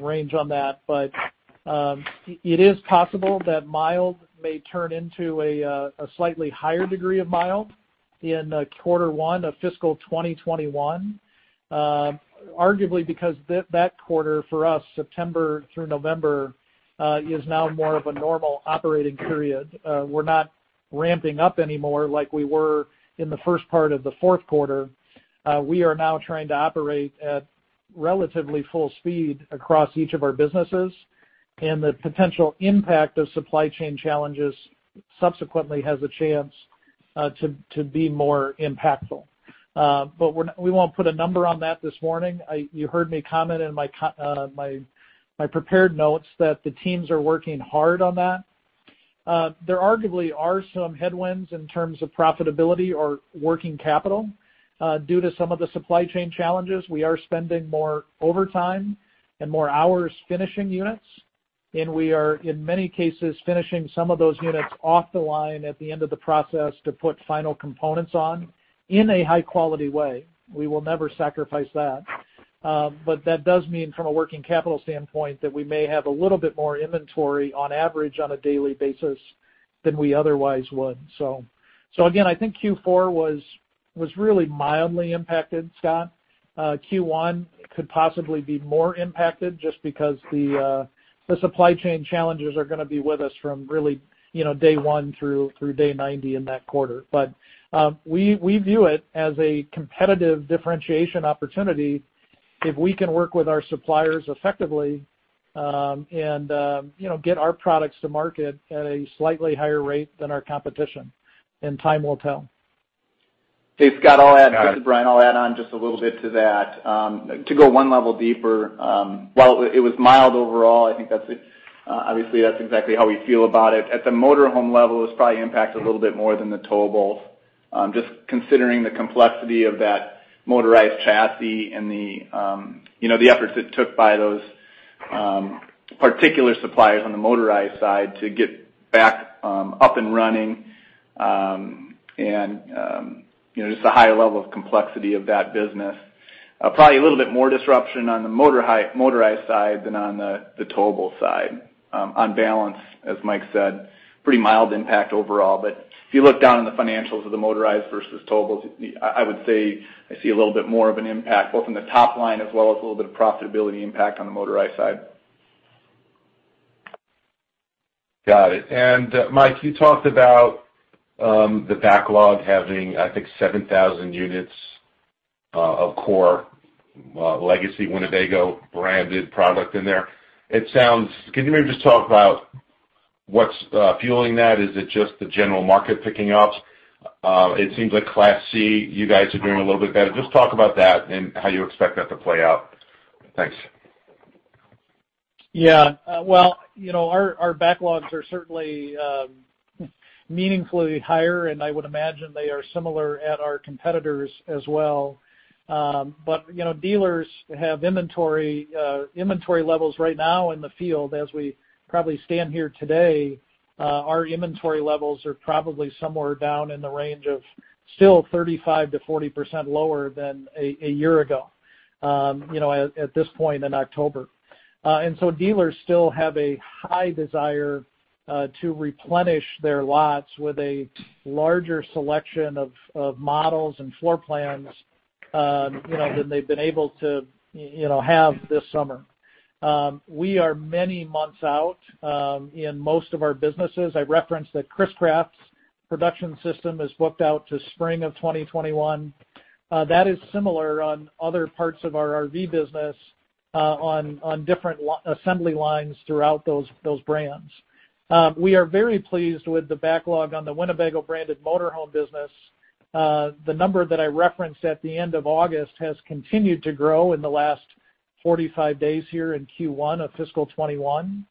range on that, but it is possible that mild may turn into a slightly higher degree of mild in quarter one of fiscal 2021, arguably because that quarter for us, September through November, is now more of a normal operating period. We're not ramping up anymore like we were in the first part of the fourth quarter. We are now trying to operate at relatively full speed across each of our businesses, and the potential impact of supply chain challenges subsequently has a chance to be more impactful. But we won't put a number on that this morning. You heard me comment in my prepared notes that the teams are working hard on that. There arguably are some headwinds in terms of profitability or working capital due to some of the supply chain challenges. We are spending more overtime and more hours finishing units, and we are, in many cases, finishing some of those units off the line at the end of the process to put final components on in a high-quality way. We will never sacrifice that. But that does mean, from a working capital standpoint, that we may have a little bit more inventory on average on a daily basis than we otherwise would. So again, I think Q4 was really mildly impacted, Scott. Q1 could possibly be more impacted just because the supply chain challenges are going to be with us from really day one through day 90 in that quarter. But we view it as a competitive differentiation opportunity if we can work with our suppliers effectively and get our products to market at a slightly higher rate than our competition, and time will tell. Hey, Scott, I'll add to Brian. I'll add on just a little bit to that. To go one level deeper, while it was mild overall, I think obviously that's exactly how we feel about it. At the motorhome level, it was probably impacted a little bit more than the towables. Just considering the complexity of that motorized chassis and the efforts it took by those particular suppliers on the motorized side to get back up and running and just a higher level of complexity of that business. Probably a little bit more disruption on the motorized side than on the towable side. On balance, as Mike said, pretty mild impact overall. But if you look down on the financials of the motorized versus towables, I would say I see a little bit more of an impact both in the top line as well as a little bit of profitability impact on the motorized side. Got it. And Mike, you talked about the backlog having, I think, 7,000 units of core legacy Winnebago branded product in there. Can you maybe just talk about what's fueling that? Is it just the general market picking up? It seems like Class C, you guys are doing a little bit better. Just talk about that and how you expect that to play out. Thanks. Yeah. Well, our backlogs are certainly meaningfully higher, and I would imagine they are similar at our competitors as well. But dealers have inventory levels right now in the field. As we probably stand here today, our inventory levels are probably somewhere down in the range of still 35%-40% lower than a year ago at this point in October. And so dealers still have a high desire to replenish their lots with a larger selection of models and floor plans than they've been able to have this summer. We are many months out in most of our businesses. I referenced that Chris-Craft's production system is booked out to spring of 2021. That is similar on other parts of our RV business on different assembly lines throughout those brands. We are very pleased with the backlog on the Winnebago branded motorhome business. The number that I referenced at the end of August has continued to grow in the last 45 days here in Q1 of fiscal 2021.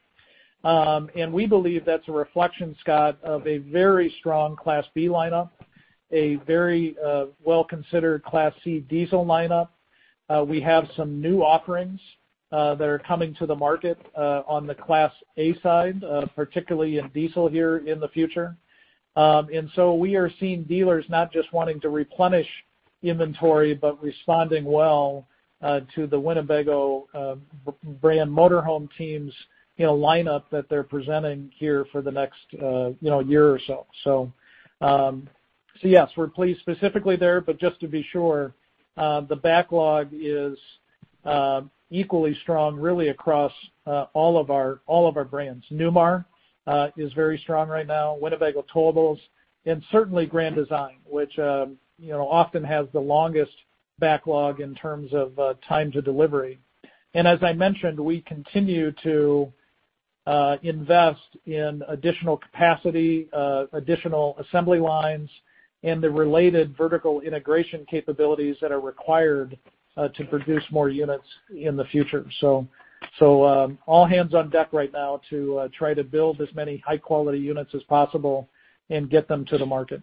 We believe that's a reflection, Scott, of a very strong Class B lineup, a very well-considered Class C diesel lineup. We have some new offerings that are coming to the market on the Class A side, particularly in diesel here in the future. We are seeing dealers not just wanting to replenish inventory, but responding well to the Winnebago brand motorhome teams' lineup that they're presenting here for the next year or so. Yes, we're pleased specifically there, but just to be sure, the backlog is equally strong really across all of our brands. Newmar is very strong right now, Winnebago Towables, and certainly Grand Design, which often has the longest backlog in terms of time to delivery. And as I mentioned, we continue to invest in additional capacity, additional assembly lines, and the related vertical integration capabilities that are required to produce more units in the future. So all hands on deck right now to try to build as many high-quality units as possible and get them to the market.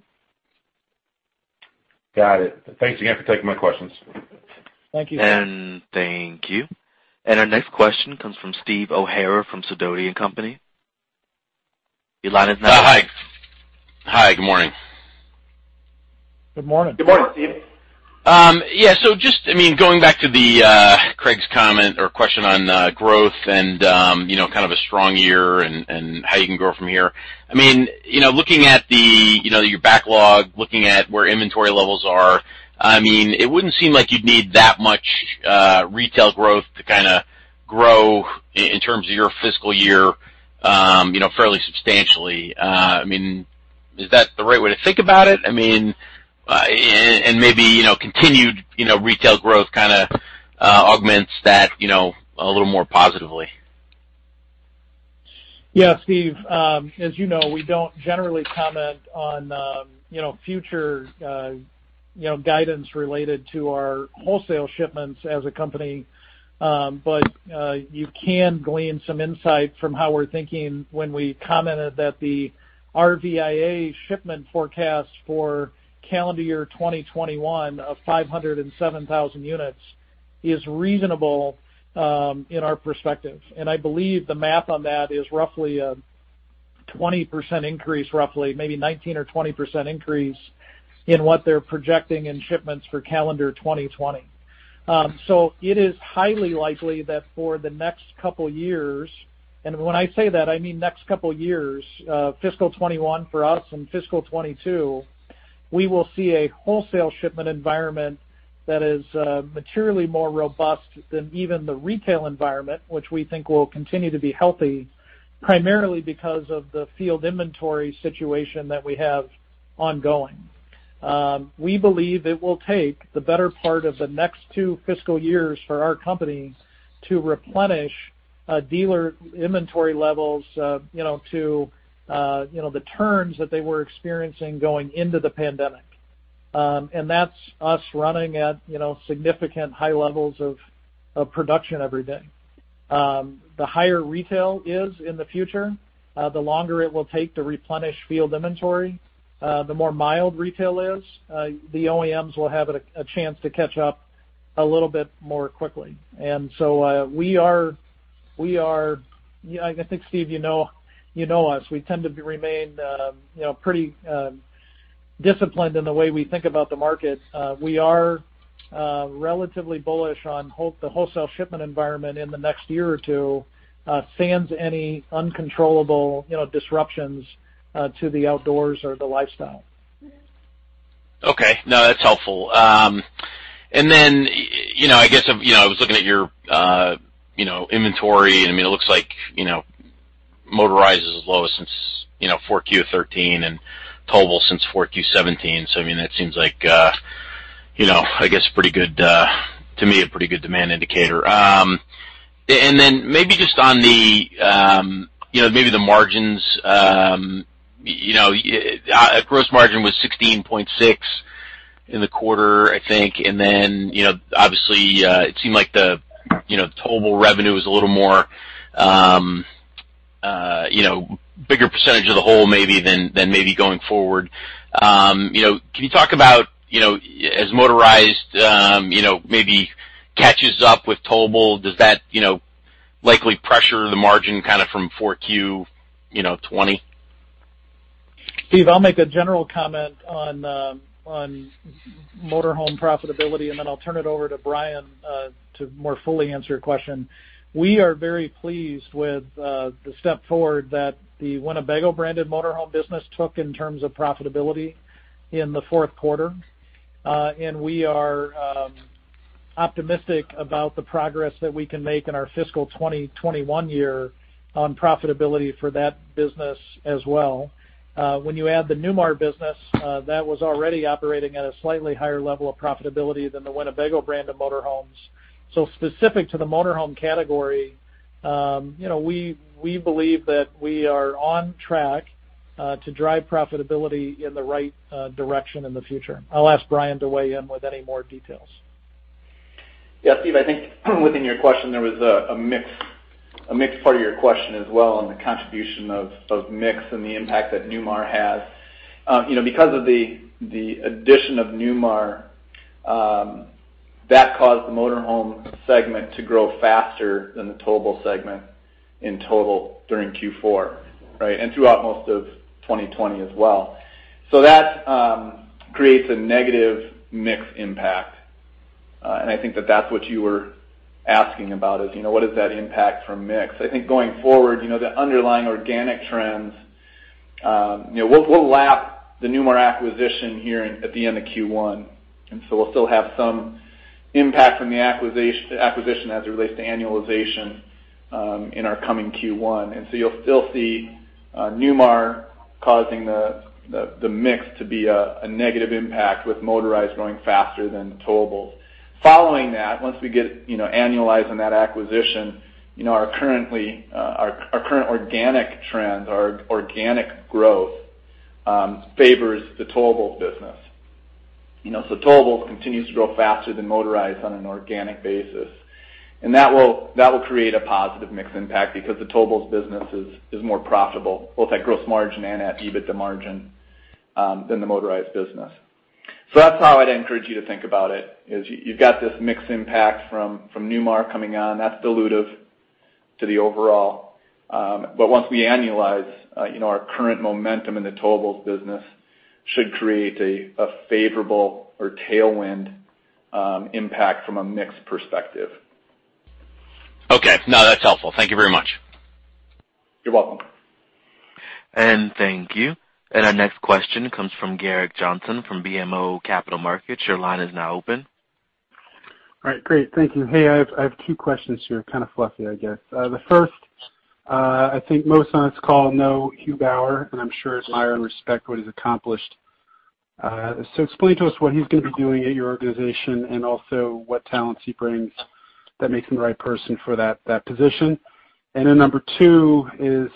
Got it. Thanks again for taking my questions. Thank you. And thank you. And our next question comes from Steve O'Hara from Sidoti & Company. Your line is now. Hi. Hi. Good morning. Good morning. Good morning, Steve. Yeah. So just, I mean, going back to Craig's comment or question on growth and kind of a strong year and how you can grow from here. I mean, looking at your backlog, looking at where inventory levels are, I mean, it wouldn't seem like you'd need that much retail growth to kind of grow in terms of your fiscal year fairly substantially. I mean, is that the right way to think about it? I mean, and maybe continued retail growth kind of augments that a little more positively. Yeah. Steve, as you know, we don't generally comment on future guidance related to our wholesale shipments as a company. But you can glean some insight from how we're thinking when we commented that the RVIA shipment forecast for calendar year 2021 of 507,000 units is reasonable in our perspective, and I believe the math on that is roughly a 20% increase, roughly maybe 19% or 20% increase in what they're projecting in shipments for calendar 2020, so it is highly likely that for the next couple of years, and when I say that, I mean next couple of years, fiscal 21 for us and fiscal 22, we will see a wholesale shipment environment that is materially more robust than even the retail environment, which we think will continue to be healthy primarily because of the field inventory situation that we have ongoing. We believe it will take the better part of the next two fiscal years for our company to replenish dealer inventory levels to the turns that they were experiencing going into the pandemic. And that's us running at significant high levels of production every day. The higher retail is in the future, the longer it will take to replenish field inventory. The more mild retail is, the OEMs will have a chance to catch up a little bit more quickly. And so we are—I think, Steve, you know us. We tend to remain pretty disciplined in the way we think about the market. We are relatively bullish on the wholesale shipment environment in the next year or two sans any uncontrollable disruptions to the outdoors or the lifestyle. Okay. No, that's helpful. And then I guess I was looking at your inventory. I mean, it looks like motorized is as low as since Q4 2013 and towable since Q4 2017. So I mean, that seems like, I guess, to me, a pretty good demand indicator. And then maybe just on maybe the margins. Gross margin was 16.6% in the quarter, I think. And then obviously, it seemed like the towable revenue was a little more bigger percentage of the whole maybe than maybe going forward. Can you talk about as motorized maybe catches up with towable? Does that likely pressure the margin kind of from Q4 2020? Steve, I'll make a general comment on motorhome profitability, and then I'll turn it over to Brian to more fully answer your question. We are very pleased with the step forward that the Winnebago branded motorhome business took in terms of profitability in the fourth quarter, and we are optimistic about the progress that we can make in our fiscal 2021 year on profitability for that business as well. When you add the Newmar business, that was already operating at a slightly higher level of profitability than the Winnebago branded motorhomes, so specific to the motorhome category, we believe that we are on track to drive profitability in the right direction in the future. I'll ask Brian to weigh in with any more details. Yeah. Steve, I think within your question, there was a mixed part of your question as well on the contribution of mix and the impact that Newmar has. Because of the addition of Newmar, that caused the motorhome segment to grow faster than the towable segment in total during Q4, right, and throughout most of 2020 as well. So that creates a negative mix impact. And I think that that's what you were asking about is what does that impact from mix? I think going forward, the underlying organic trends will lap the Newmar acquisition here at the end of Q1. And so we'll still have some impact from the acquisition as it relates to annualization in our coming Q1. And so you'll still see Newmar causing the mix to be a negative impact with motorized growing faster than towables. Following that, once we get annualized on that acquisition, our current organic trend, our organic growth, favors the towables business. So towables continues to grow faster than motorized on an organic basis. And that will create a positive mix impact because the towables business is more profitable both at gross margin and at EBITDA margin than the motorized business. So that's how I'd encourage you to think about it. You've got this mix impact from Newmar coming on. That's dilutive to the overall. But once we annualize, our current momentum in the towables business should create a favorable or tailwind impact from a mix perspective. Okay. No, that's helpful. Thank you very much. You're welcome. And thank you. And our next question comes from Gerrick Johnson from BMO Capital Markets. Your line is now open. All right. Great. Thank you. Hey, I have two questions here, kind of fluffy, I guess. The first, I think most on this call know Hugh Bauer, and I'm sure admire and respect what he's accomplished. So explain to us what he's going to be doing at your organization and also what talents he brings that make him the right person for that position. And then number two is,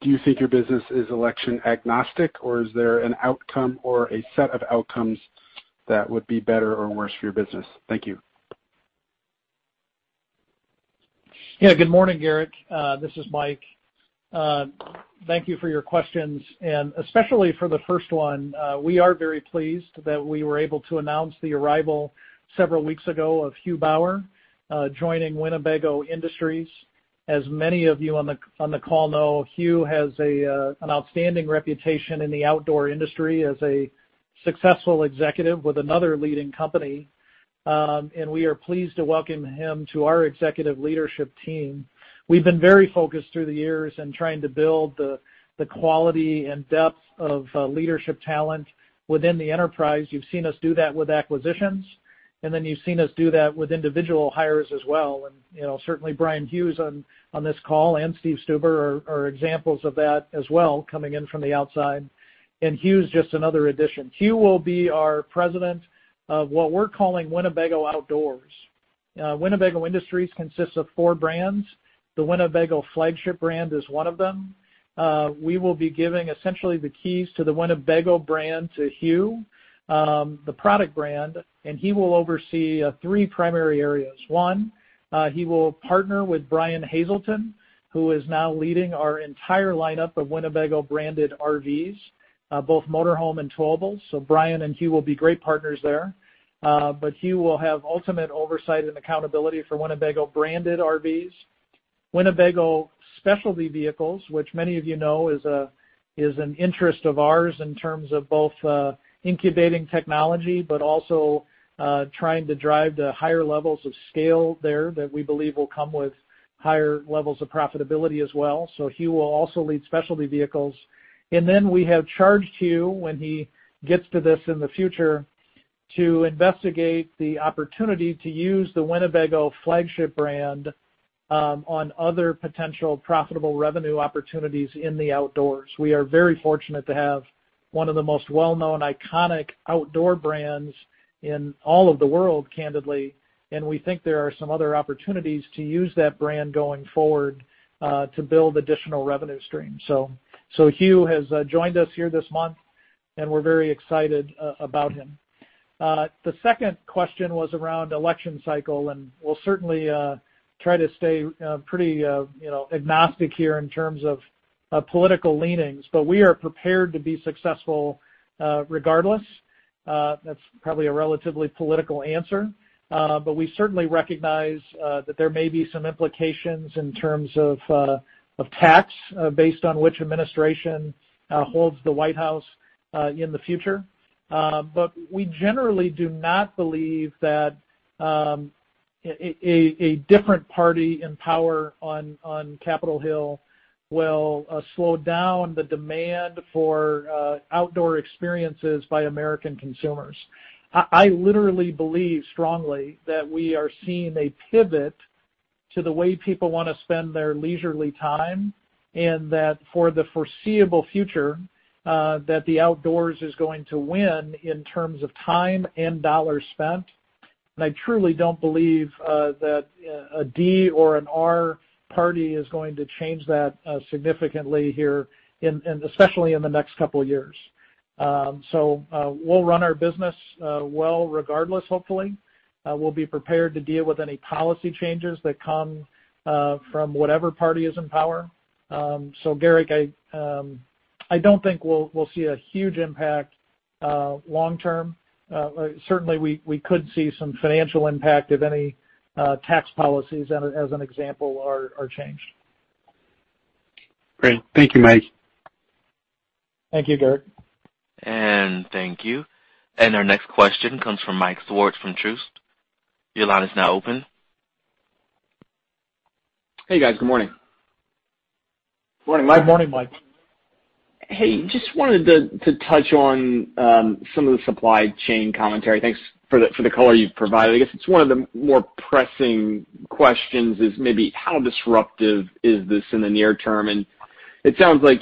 do you think your business is election agnostic, or is there an outcome or a set of outcomes that would be better or worse for your business? Thank you. Yeah. Good morning, Garrick. This is Mike. Thank you for your questions, and especially for the first one, we are very pleased that we were able to announce the arrival several weeks ago of Hugh Bauer joining Winnebago Industries. As many of you on the call know, Hugh has an outstanding reputation in the outdoor industry as a successful executive with another leading company, and we are pleased to welcome him to our executive leadership team. We've been very focused through the years in trying to build the quality and depth of leadership talent within the enterprise. You've seen us do that with acquisitions, and then you've seen us do that with individual hires as well, and certainly, Bryan Hughes on this call and Steve Stuber are examples of that as well coming in from the outside, and Hugh's just another addition. Hugh will be our President of what we're calling Winnebago Outdoors. Winnebago Industries consists of four brands. The Winnebago flagship brand is one of them. We will be giving essentially the keys to the Winnebago brand to Hugh, the product brand, and he will oversee three primary areas. One, he will partner with Brian Hazelton, who is now leading our entire lineup of Winnebago-branded RVs, both motorhome and towables, so Brian and Hugh will be great partners there, but Hugh will have ultimate oversight and accountability for Winnebago-branded RVs, Winnebago Specialty Vehicles, which many of you know is an interest of ours in terms of both incubating technology but also trying to drive the higher levels of scale there that we believe will come with higher levels of profitability as well, so Hugh will also lead Specialty Vehicles. And then we have charged Hugh, when he gets to this in the future, to investigate the opportunity to use the Winnebago flagship brand on other potential profitable revenue opportunities in the outdoors. We are very fortunate to have one of the most well-known iconic outdoor brands in all of the world, candidly. And we think there are some other opportunities to use that brand going forward to build additional revenue streams. So Hugh has joined us here this month, and we're very excited about him. The second question was around election cycle, and we'll certainly try to stay pretty agnostic here in terms of political leanings. But we are prepared to be successful regardless. That's probably a relatively political answer. But we certainly recognize that there may be some implications in terms of tax based on which administration holds the White House in the future. But we generally do not believe that a different party in power on Capitol Hill will slow down the demand for outdoor experiences by American consumers. I literally believe strongly that we are seeing a pivot to the way people want to spend their leisurely time and that for the foreseeable future, the outdoors is going to win in terms of time and dollars spent. And I truly don't believe that a D or an R party is going to change that significantly here, especially in the next couple of years. So we'll run our business well regardless, hopefully. We'll be prepared to deal with any policy changes that come from whatever party is in power. So Gerrick, I don't think we'll see a huge impact long term. Certainly, we could see some financial impact if any tax policies, as an example, are changed. Great. Thank you, Mike. Thank you, Gerrick. And thank you. And our next question comes from Mike Swartz from Truist. Your line is now open. Hey, guys. Good morning. Good morning. Good morning, Mike. Hey, just wanted to touch on some of the supply chain commentary. Thanks for the color you've provided. I guess it's one of the more pressing questions, maybe how disruptive is this in the near term? And it sounds like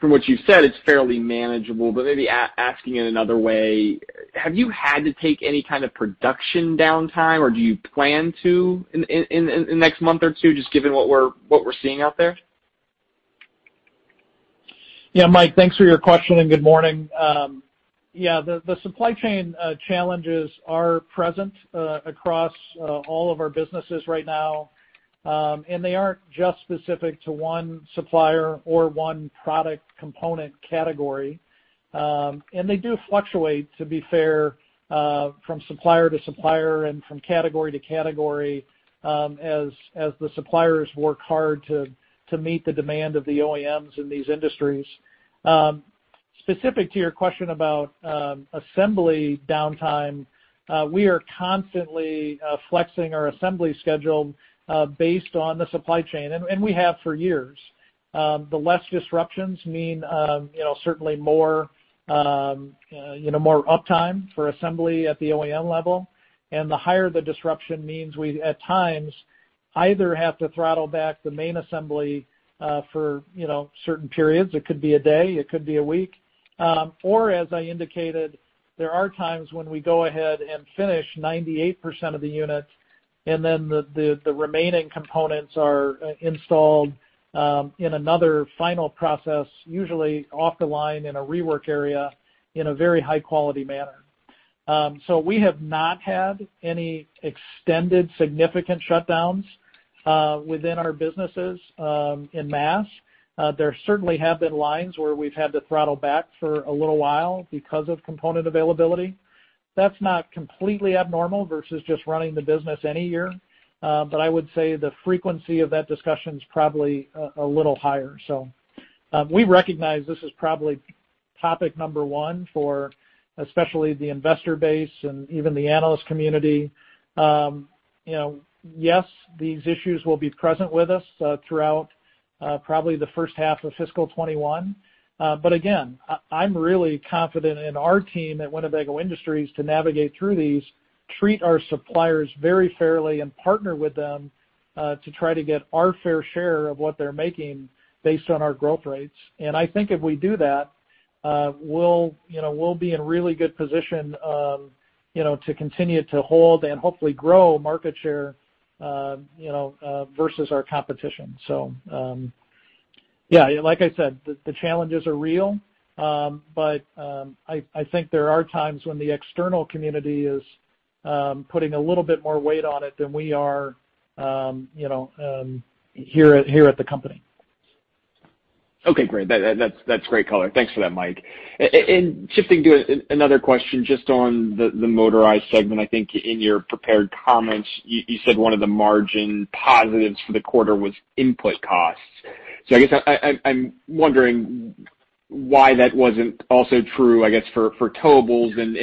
from what you've said, it's fairly manageable. But maybe asking it another way, have you had to take any kind of production downtime, or do you plan to in the next month or two just given what we're seeing out there? Yeah, Mike, thanks for your question and good morning. Yeah, the supply chain challenges are present across all of our businesses right now. And they aren't just specific to one supplier or one product component category. And they do fluctuate, to be fair, from supplier to supplier and from category to category as the suppliers work hard to meet the demand of the OEMs in these industries. Specific to your question about assembly downtime, we are constantly flexing our assembly schedule based on the supply chain. And we have for years. The less disruptions mean certainly more uptime for assembly at the OEM level. And the higher the disruption means we, at times, either have to throttle back the main assembly for certain periods. It could be a day. It could be a week. Or as I indicated, there are times when we go ahead and finish 98% of the units, and then the remaining components are installed in another final process, usually off the line in a rework area in a very high-quality manner. So we have not had any extended significant shutdowns within our businesses en masse. There certainly have been lines where we've had to throttle back for a little while because of component availability. That's not completely abnormal versus just running the business any year. But I would say the frequency of that discussion is probably a little higher. So we recognize this is probably topic number one for especially the investor base and even the analyst community. Yes, these issues will be present with us throughout probably the first half of fiscal 2021. But again, I'm really confident in our team at Winnebago Industries to navigate through these, treat our suppliers very fairly, and partner with them to try to get our fair share of what they're making based on our growth rates. And I think if we do that, we'll be in really good position to continue to hold and hopefully grow market share versus our competition. So yeah, like I said, the challenges are real. But I think there are times when the external community is putting a little bit more weight on it than we are here at the company. Okay. Great. That's great color. Thanks for that, Mike. And shifting to another question just on the motorized segment, I think in your prepared comments, you said one of the margin positives for the quarter was input costs. So I guess I'm wondering why that wasn't also true, I guess, for towables. And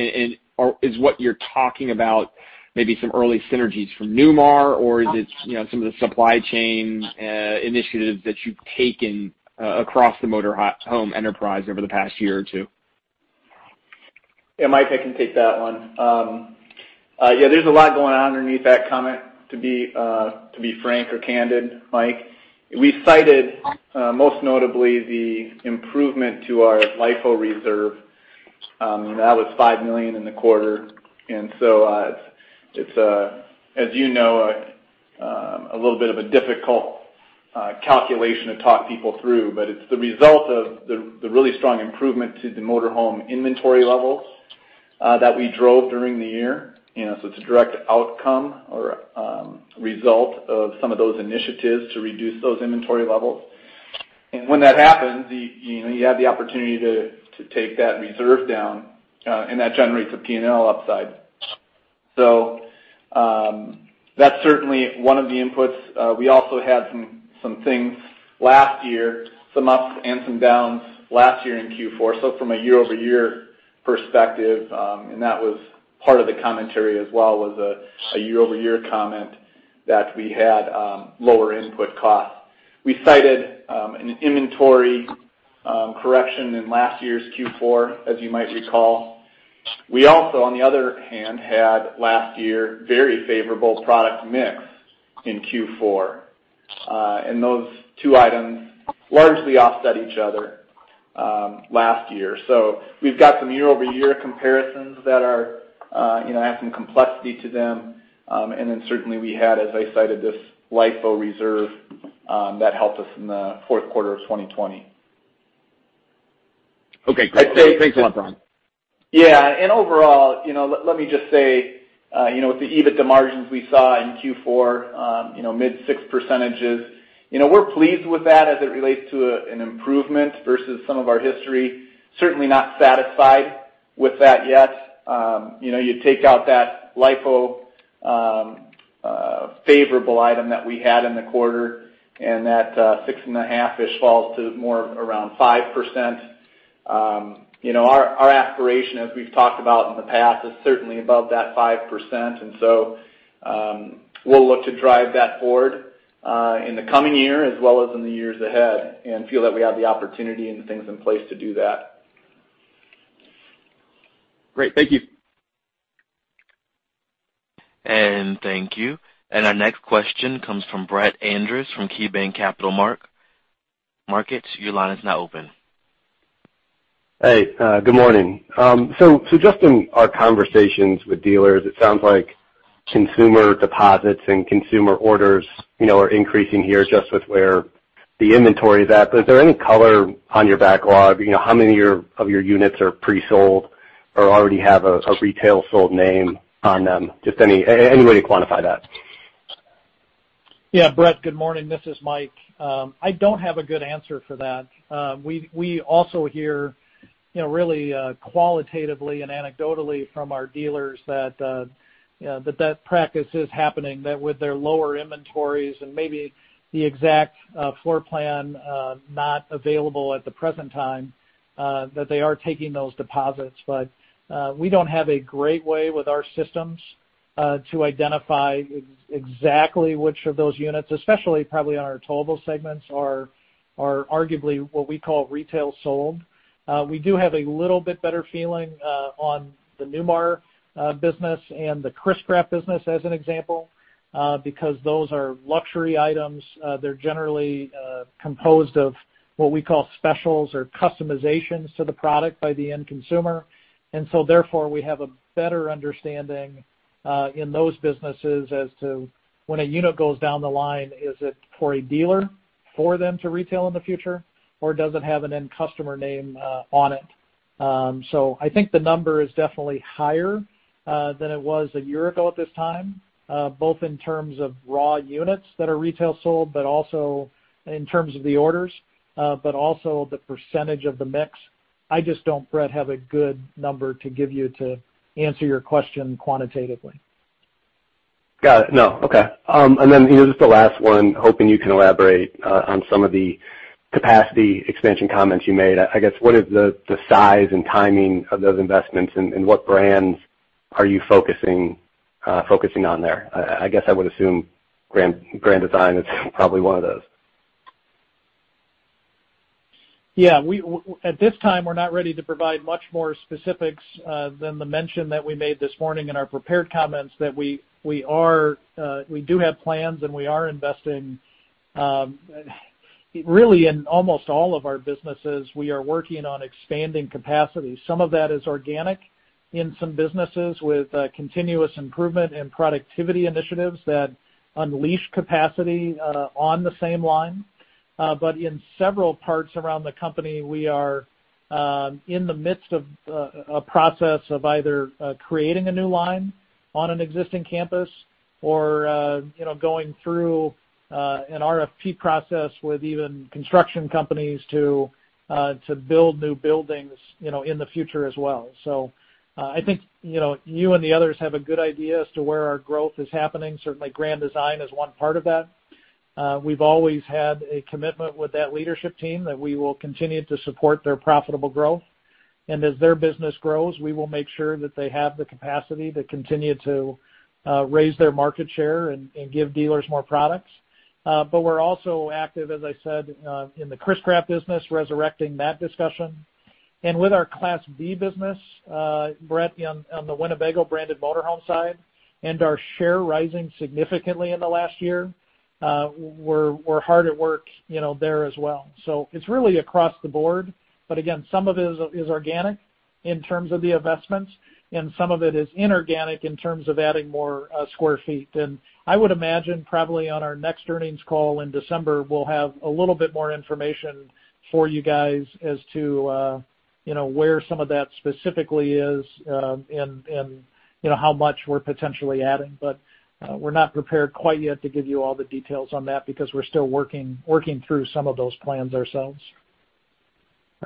is what you're talking about maybe some early synergies from Newmar, or is it some of the supply chain initiatives that you've taken across the motorhome enterprise over the past year or two? Yeah, Mike, I can take that one. Yeah, there's a lot going on underneath that comment, to be frank or candid, Mike. We cited most notably the improvement to our LIFO reserve. That was $5 million in the quarter. And so it's, as you know, a little bit of a difficult calculation to talk people through. But it's the result of the really strong improvement to the motorhome inventory levels that we drove during the year. So it's a direct outcome or result of some of those initiatives to reduce those inventory levels. And when that happens, you have the opportunity to take that reserve down, and that generates a P&L upside. So that's certainly one of the inputs. We also had some things last year, some ups and some downs last year in Q4. So from a year-over-year perspective, and that was part of the commentary as well, was a year-over-year comment that we had lower input costs. We cited an inventory correction in last year's Q4, as you might recall. We also, on the other hand, had last year very favorable product mix in Q4. And those two items largely offset each other last year. So we've got some year-over-year comparisons that have some complexity to them. And then certainly, we had, as I cited, this LIFO reserve that helped us in the fourth quarter of 2020. Okay. Great. Thanks a lot, Brian. Yeah. And overall, let me just say with the EBITDA margins we saw in Q4, mid-six %, we're pleased with that as it relates to an improvement versus some of our history. Certainly not satisfied with that yet. You take out that LIFO favorable item that we had in the quarter, and that 6 and a half-ish % falls to more around 5%. Our aspiration, as we've talked about in the past, is certainly above that 5%. And so we'll look to drive that forward in the coming year as well as in the years ahead and feel that we have the opportunity and the things in place to do that. Great. Thank you. And thank you. And our next question comes from Brett Andress from KeyBanc Capital Markets. Your line is now open. Hey, good morning. So just in our conversations with dealers, it sounds like consumer deposits and consumer orders are increasing here just with where the inventory is at. But is there any color on your backlog? How many of your units are pre-sold or already have a retail sold name on them? Just any way to quantify that. Yeah, Brett, good morning. This is Mike. I don't have a good answer for that. We also hear really qualitatively and anecdotally from our dealers that that practice is happening, that with their lower inventories and maybe the exact floor plan not available at the present time, that they are taking those deposits. But we don't have a great way with our systems to identify exactly which of those units, especially probably on our towable segments, are arguably what we call retail sold. We do have a little bit better feeling on the Newmar business and the Chris-Craft business as an example because those are luxury items. They're generally composed of what we call specials or customizations to the product by the end consumer. And so therefore, we have a better understanding in those businesses as to when a unit goes down the line, is it for a dealer for them to retail in the future, or does it have an end customer name on it? So I think the number is definitely higher than it was a year ago at this time, both in terms of raw units that are retail sold, but also in terms of the orders, but also the percentage of the mix. I just don't, Brett, have a good number to give you to answer your question quantitatively. Got it. No. Okay. And then just the last one, hoping you can elaborate on some of the capacity expansion comments you made. I guess what is the size and timing of those investments, and what brands are you focusing on there? I guess I would assume Grand Design is probably one of those. Yeah. At this time, we're not ready to provide much more specifics than the mention that we made this morning in our prepared comments that we do have plans, and we are investing really in almost all of our businesses. We are working on expanding capacity. Some of that is organic in some businesses with continuous improvement and productivity initiatives that unleash capacity on the same line. But in several parts around the company, we are in the midst of a process of either creating a new line on an existing campus or going through an RFP process with even construction companies to build new buildings in the future as well. So I think you and the others have a good idea as to where our growth is happening. Certainly, Grand Design is one part of that. We've always had a commitment with that leadership team that we will continue to support their profitable growth, and as their business grows, we will make sure that they have the capacity to continue to raise their market share and give dealers more products, but we're also active, as I said, in the Chris-Craft business, resurrecting that discussion. With our Class B business, Brett, on the Winnebago branded motorhome side and our share rising significantly in the last year, we're hard at work there as well, so it's really across the board, but again, some of it is organic in terms of the investments, and some of it is inorganic in terms of adding more square feet. And I would imagine probably on our next earnings call in December, we'll have a little bit more information for you guys as to where some of that specifically is and how much we're potentially adding. But we're not prepared quite yet to give you all the details on that because we're still working through some of those plans ourselves.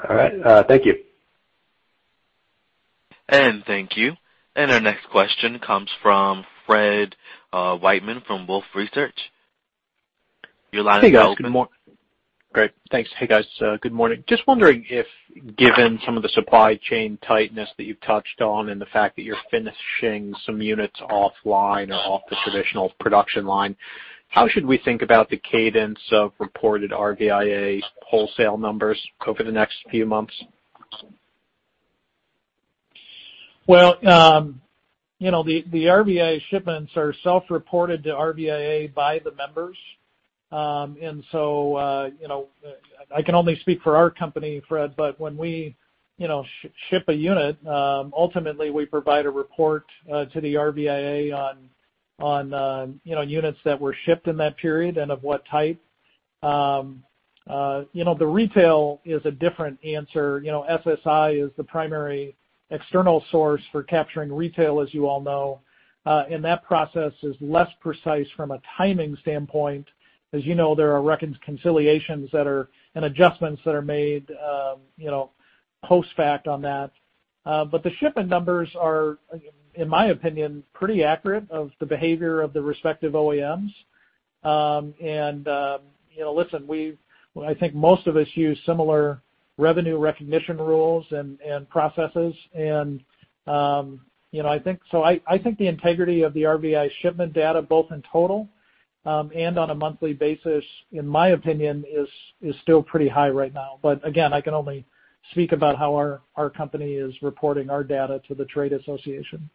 All right. Thank you. And thank you. And our next question comes from Fred Wightman from Wolfe Research. Your line is now open. Hey, guys. Good morning. Great. Thanks. Hey, guys. Good morning. Just wondering if, given some of the supply chain tightness that you've touched on and the fact that you're finishing some units offline or off the traditional production line, how should we think about the cadence of reported RVIA wholesale numbers over the next few months? The RVIA shipments are self-reported to RVIA by the members. And so I can only speak for our company, Fred. But when we ship a unit, ultimately, we provide a report to the RVIA on units that were shipped in that period and of what type. The retail is a different answer. SSI is the primary external source for capturing retail, as you all know. And that process is less precise from a timing standpoint. As you know, there are reconciliations and adjustments that are made post facto on that. But the shipment numbers are, in my opinion, pretty accurate of the behavior of the respective OEMs. And listen, I think most of us use similar revenue recognition rules and processes. I think the integrity of the RVIA shipment data, both in total and on a monthly basis, in my opinion, is still pretty high right now. But again, I can only speak about how our company is reporting our data to the trade association.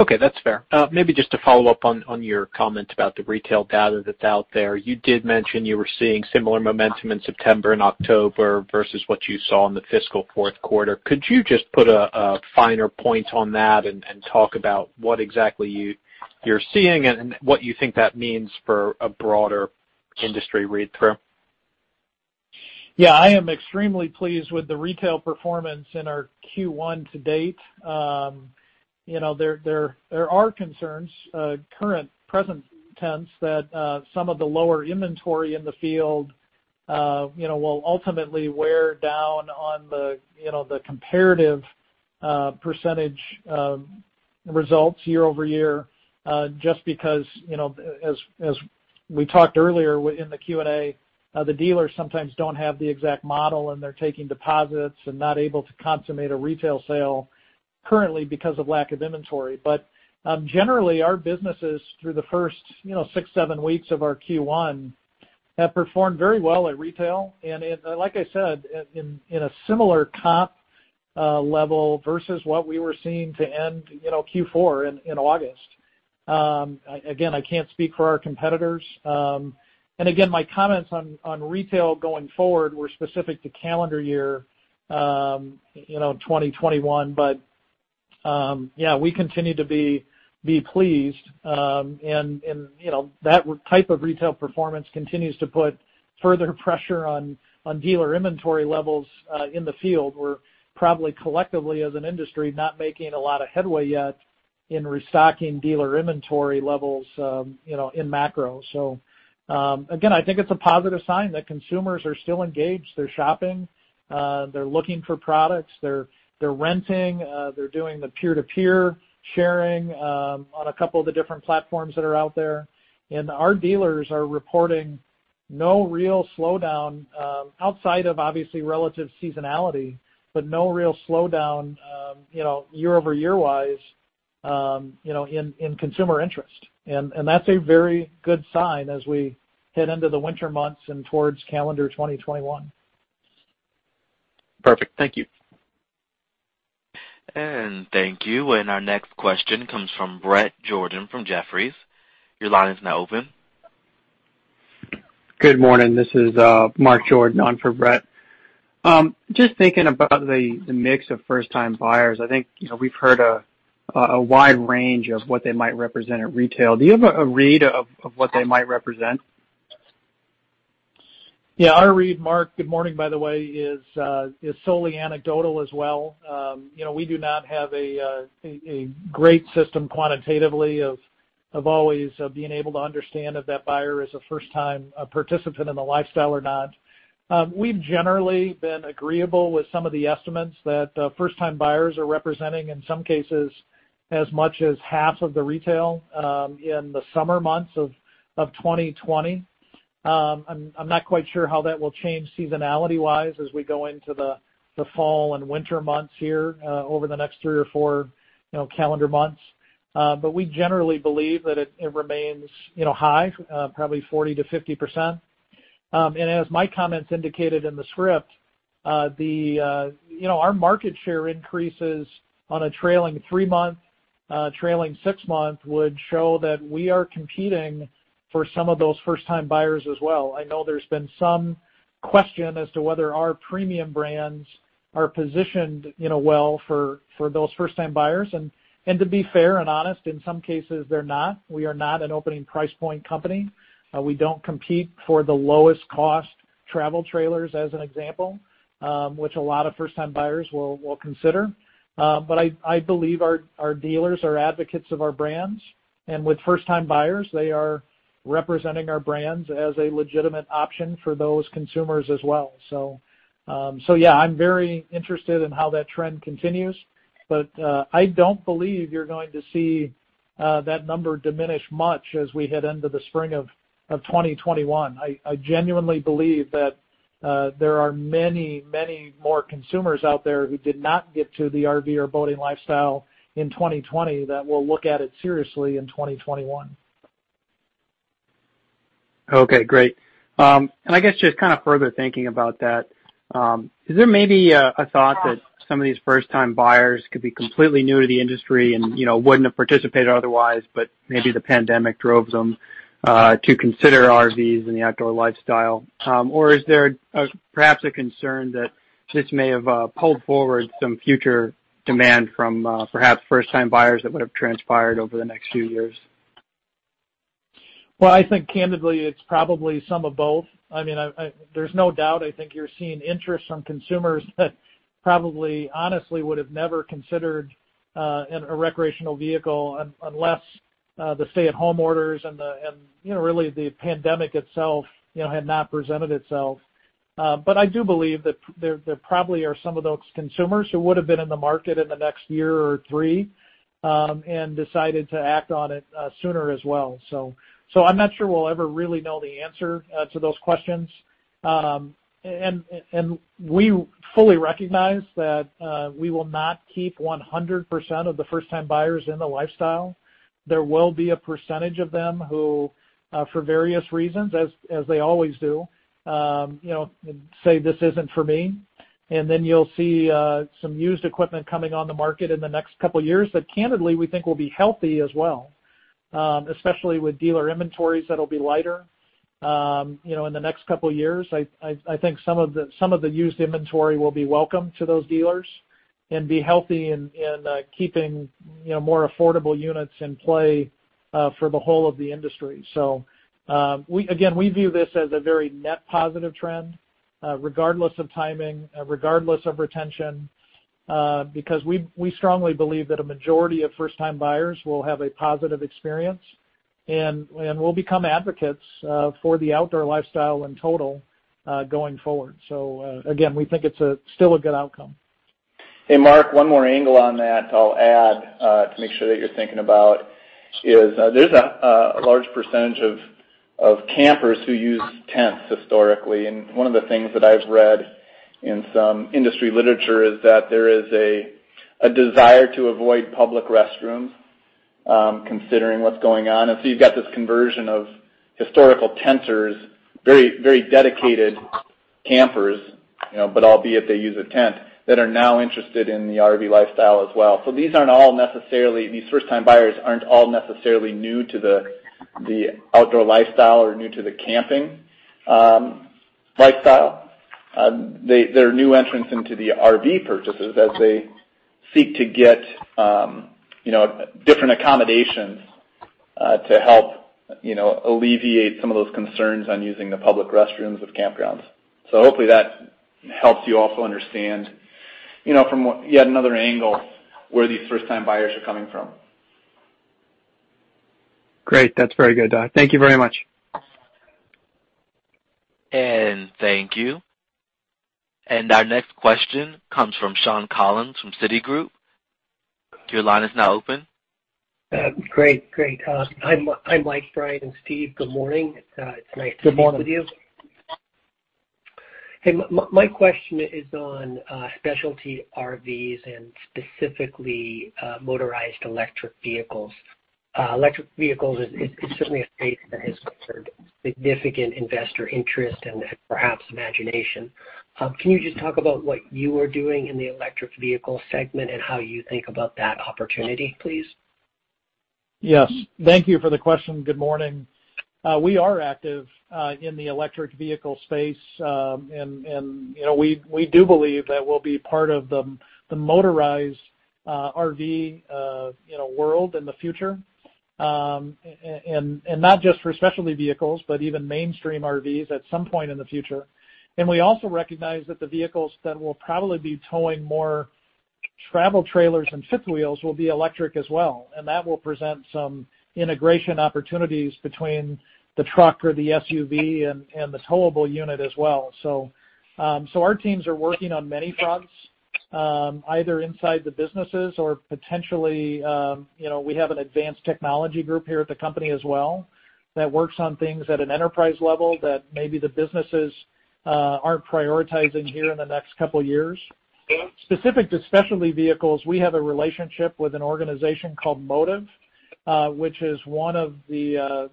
Okay. That's fair. Maybe just to follow up on your comment about the retail data that's out there, you did mention you were seeing similar momentum in September and October versus what you saw in the fiscal fourth quarter. Could you just put a finer point on that and talk about what exactly you're seeing and what you think that means for a broader industry read-through? Yeah. I am extremely pleased with the retail performance in our Q1 to date. There are concerns, current present tense, that some of the lower inventory in the field will ultimately wear down on the comparative percentage results year over year just because, as we talked earlier in the Q&A, the dealers sometimes don't have the exact model, and they're taking deposits and not able to consummate a retail sale currently because of lack of inventory. But generally, our businesses through the first six, seven weeks of our Q1 have performed very well at retail. And like I said, in a similar comp level versus what we were seeing to end Q4 in August. Again, I can't speak for our competitors. And again, my comments on retail going forward were specific to calendar year 2021. But yeah, we continue to be pleased. That type of retail performance continues to put further pressure on dealer inventory levels in the field. We're probably collectively, as an industry, not making a lot of headway yet in restocking dealer inventory levels in macro. So again, I think it's a positive sign that consumers are still engaged. They're shopping. They're looking for products. They're renting. They're doing the peer-to-peer sharing on a couple of the different platforms that are out there. And our dealers are reporting no real slowdown outside of, obviously, relative seasonality, but no real slowdown year-over-year-wise in consumer interest. And that's a very good sign as we head into the winter months and towards calendar 2021. Perfect. Thank you. Thank you. Our next question comes from Bret Jordan from Jefferies. Your line is now open. Good morning. This is Mark Jordan on for Bret. Just thinking about the mix of first-time buyers, I think we've heard a wide range of what they might represent at retail. Do you have a read of what they might represent? Yeah. Our read, Mark, good morning, by the way, is solely anecdotal as well. We do not have a great system quantitatively of always being able to understand if that buyer is a first-time participant in the lifestyle or not. We've generally been agreeable with some of the estimates that first-time buyers are representing, in some cases, as much as half of the retail in the summer months of 2020. I'm not quite sure how that will change seasonality-wise as we go into the fall and winter months here over the next three or four calendar months. But we generally believe that it remains high, probably 40%-50%. And as my comments indicated in the script, our market share increases on a trailing three-month, trailing six-month would show that we are competing for some of those first-time buyers as well. I know there's been some question as to whether our premium brands are positioned well for those first-time buyers. And to be fair and honest, in some cases, they're not. We are not an opening price point company. We don't compete for the lowest-cost travel trailers, as an example, which a lot of first-time buyers will consider. But I believe our dealers are advocates of our brands. And with first-time buyers, they are representing our brands as a legitimate option for those consumers as well. So yeah, I'm very interested in how that trend continues. But I don't believe you're going to see that number diminish much as we head into the spring of 2021. I genuinely believe that there are many, many more consumers out there who did not get to the RV or boating lifestyle in 2020 that will look at it seriously in 2021. Okay. Great. And I guess just kind of further thinking about that, is there maybe a thought that some of these first-time buyers could be completely new to the industry and wouldn't have participated otherwise, but maybe the pandemic drove them to consider RVs and the outdoor lifestyle? Or is there perhaps a concern that this may have pulled forward some future demand from perhaps first-time buyers that would have transpired over the next few years? I think candidly, it's probably some of both. I mean, there's no doubt. I think you're seeing interest from consumers that probably, honestly, would have never considered a recreational vehicle unless the stay-at-home orders and really the pandemic itself had not presented itself. But I do believe that there probably are some of those consumers who would have been in the market in the next year or three and decided to act on it sooner as well. So I'm not sure we'll ever really know the answer to those questions. And we fully recognize that we will not keep 100% of the first-time buyers in the lifestyle. There will be a percentage of them who, for various reasons, as they always do, say, "This isn't for me." And then you'll see some used equipment coming on the market in the next couple of years that, candidly, we think will be healthy as well, especially with dealer inventories that will be lighter in the next couple of years. I think some of the used inventory will be welcome to those dealers and be healthy in keeping more affordable units in play for the whole of the industry. So again, we view this as a very net positive trend, regardless of timing, regardless of retention, because we strongly believe that a majority of first-time buyers will have a positive experience and will become advocates for the outdoor lifestyle in total going forward. So again, we think it's still a good outcome. Hey, Mark, one more angle on that I'll add to make sure that you're thinking about is there's a large percentage of campers who use tents historically, and one of the things that I've read in some industry literature is that there is a desire to avoid public restrooms considering what's going on. And so you've got this conversion of historical tenters, very dedicated campers, but albeit they use a tent, that are now interested in the RV lifestyle as well. So these first-time buyers aren't all necessarily new to the outdoor lifestyle or new to the camping lifestyle. They're new entrants into the RV purchases as they seek to get different accommodations to help alleviate some of those concerns on using the public restrooms of campgrounds. Hopefully, that helps you also understand from yet another angle where these first-time buyers are coming from. Great. That's very good, Doug. Thank you very much. Thank you. Our next question comes from Shawn Collins from Citi. Your line is now open. Great. Great. Hi, Mike, Bryan, and Steve. Good morning. It's nice to be here with you. Good morning. Hey, my question is on specialty RVs and specifically motorized electric vehicles. Electric vehicles is certainly a space that has garnered significant investor interest and perhaps imagination. Can you just talk about what you are doing in the electric vehicle segment and how you think about that opportunity, please? Yes. Thank you for the question. Good morning. We are active in the electric vehicle space. And we do believe that we'll be part of the motorized RV world in the future, and not just for specialty vehicles, but even mainstream RVs at some point in the future. And we also recognize that the vehicles that will probably be towing more travel trailers and fifth wheels will be electric as well. And that will present some integration opportunities between the truck or the SUV and the towable unit as well. So our teams are working on many fronts, either inside the businesses or potentially we have an advanced technology group here at the company as well that works on things at an enterprise level that maybe the businesses aren't prioritizing here in the next couple of years. Specific to specialty vehicles, we have a relationship with an organization called Motiv, which is one of the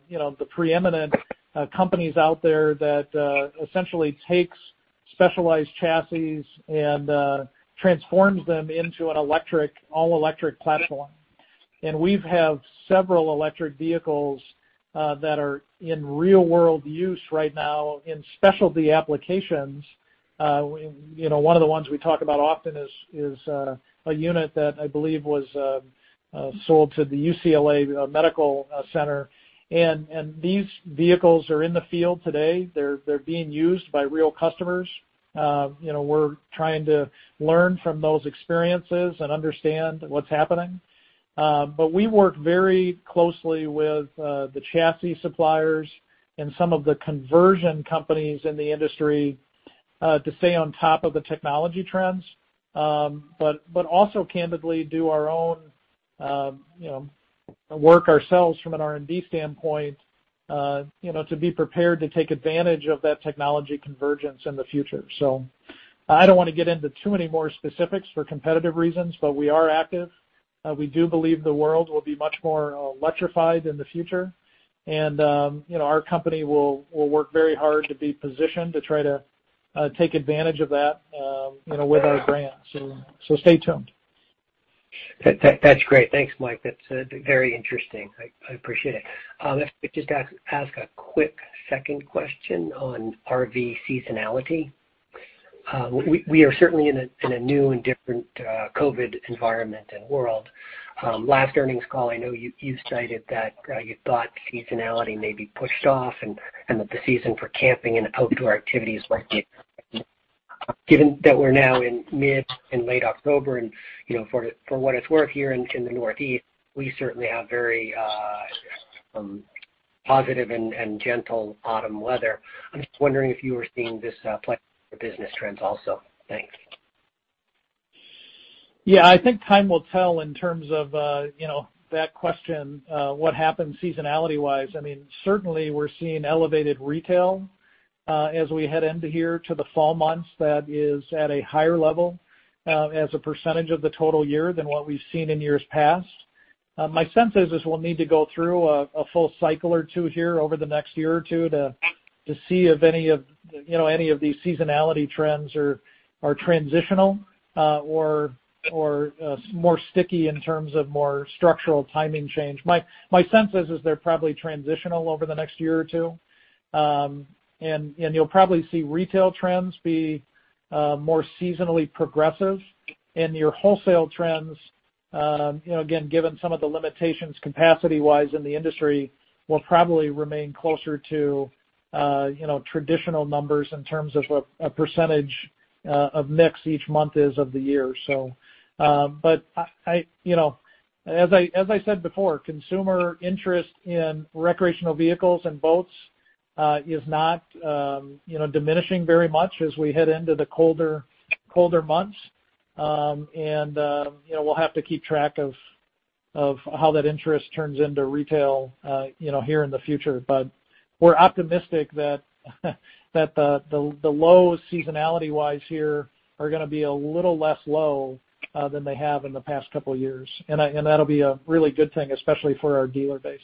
preeminent companies out there that essentially takes specialized chassis and transforms them into an all-electric platform. We have several electric vehicles that are in real-world use right now in specialty applications. One of the ones we talk about often is a unit that I believe was sold to the UCLA Medical Center. These vehicles are in the field today. They're being used by real customers. We're trying to learn from those experiences and understand what's happening. We work very closely with the chassis suppliers and some of the conversion companies in the industry to stay on top of the technology trends, but also candidly do our own work ourselves from an R&D standpoint to be prepared to take advantage of that technology convergence in the future. So I don't want to get into too many more specifics for competitive reasons, but we are active. We do believe the world will be much more electrified in the future. And our company will work very hard to be positioned to try to take advantage of that with our brand. So stay tuned. That's great. Thanks, Mike. That's very interesting. I appreciate it. I just ask a quick second question on RV seasonality. We are certainly in a new and different COVID environment and world. Last earnings call, I know you cited that you thought seasonality may be pushed off and that the season for camping and outdoor activities might be affected. Given that we're now in mid and late October, and for what it's worth here in the Northeast, we certainly have very positive and gentle autumn weather. I'm just wondering if you were seeing this play for business trends also. Thanks. Yeah. I think time will tell in terms of that question, what happens seasonality-wise. I mean, certainly, we're seeing elevated retail as we head into here to the fall months that is at a higher level as a percentage of the total year than what we've seen in years past. My sense is we'll need to go through a full cycle or two here over the next year or two to see if any of these seasonality trends are transitional or more sticky in terms of more structural timing change. My sense is they're probably transitional over the next year or two, and you'll probably see retail trends be more seasonally progressive, and your wholesale trends, again, given some of the limitations capacity-wise in the industry, will probably remain closer to traditional numbers in terms of what a percentage of mix each month is of the year. But as I said before, consumer interest in recreational vehicles and boats is not diminishing very much as we head into the colder months. And we'll have to keep track of how that interest turns into retail here in the future. But we're optimistic that the lows seasonality-wise here are going to be a little less low than they have in the past couple of years. And that'll be a really good thing, especially for our dealer base.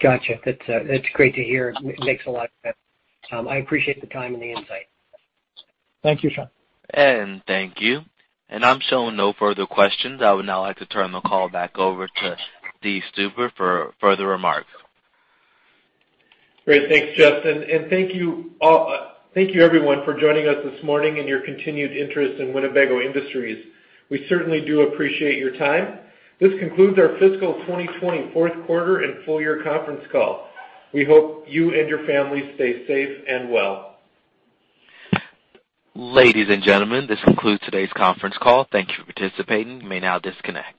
Gotcha. That's great to hear. It makes a lot of sense. I appreciate the time and the insight. Thank you, Shawn. Thank you. I'm showing no further questions. I would now like to turn the call back over to Steve Stuber for further remarks. Great. Thanks, Jeff. And thank you everyone for joining us this morning and your continued interest in Winnebago Industries. We certainly do appreciate your time. This concludes our fiscal 2020 fourth quarter and full year conference call. We hope you and your family stay safe and well. Ladies and gentlemen, this concludes today's conference call. Thank you for participating. You may now disconnect.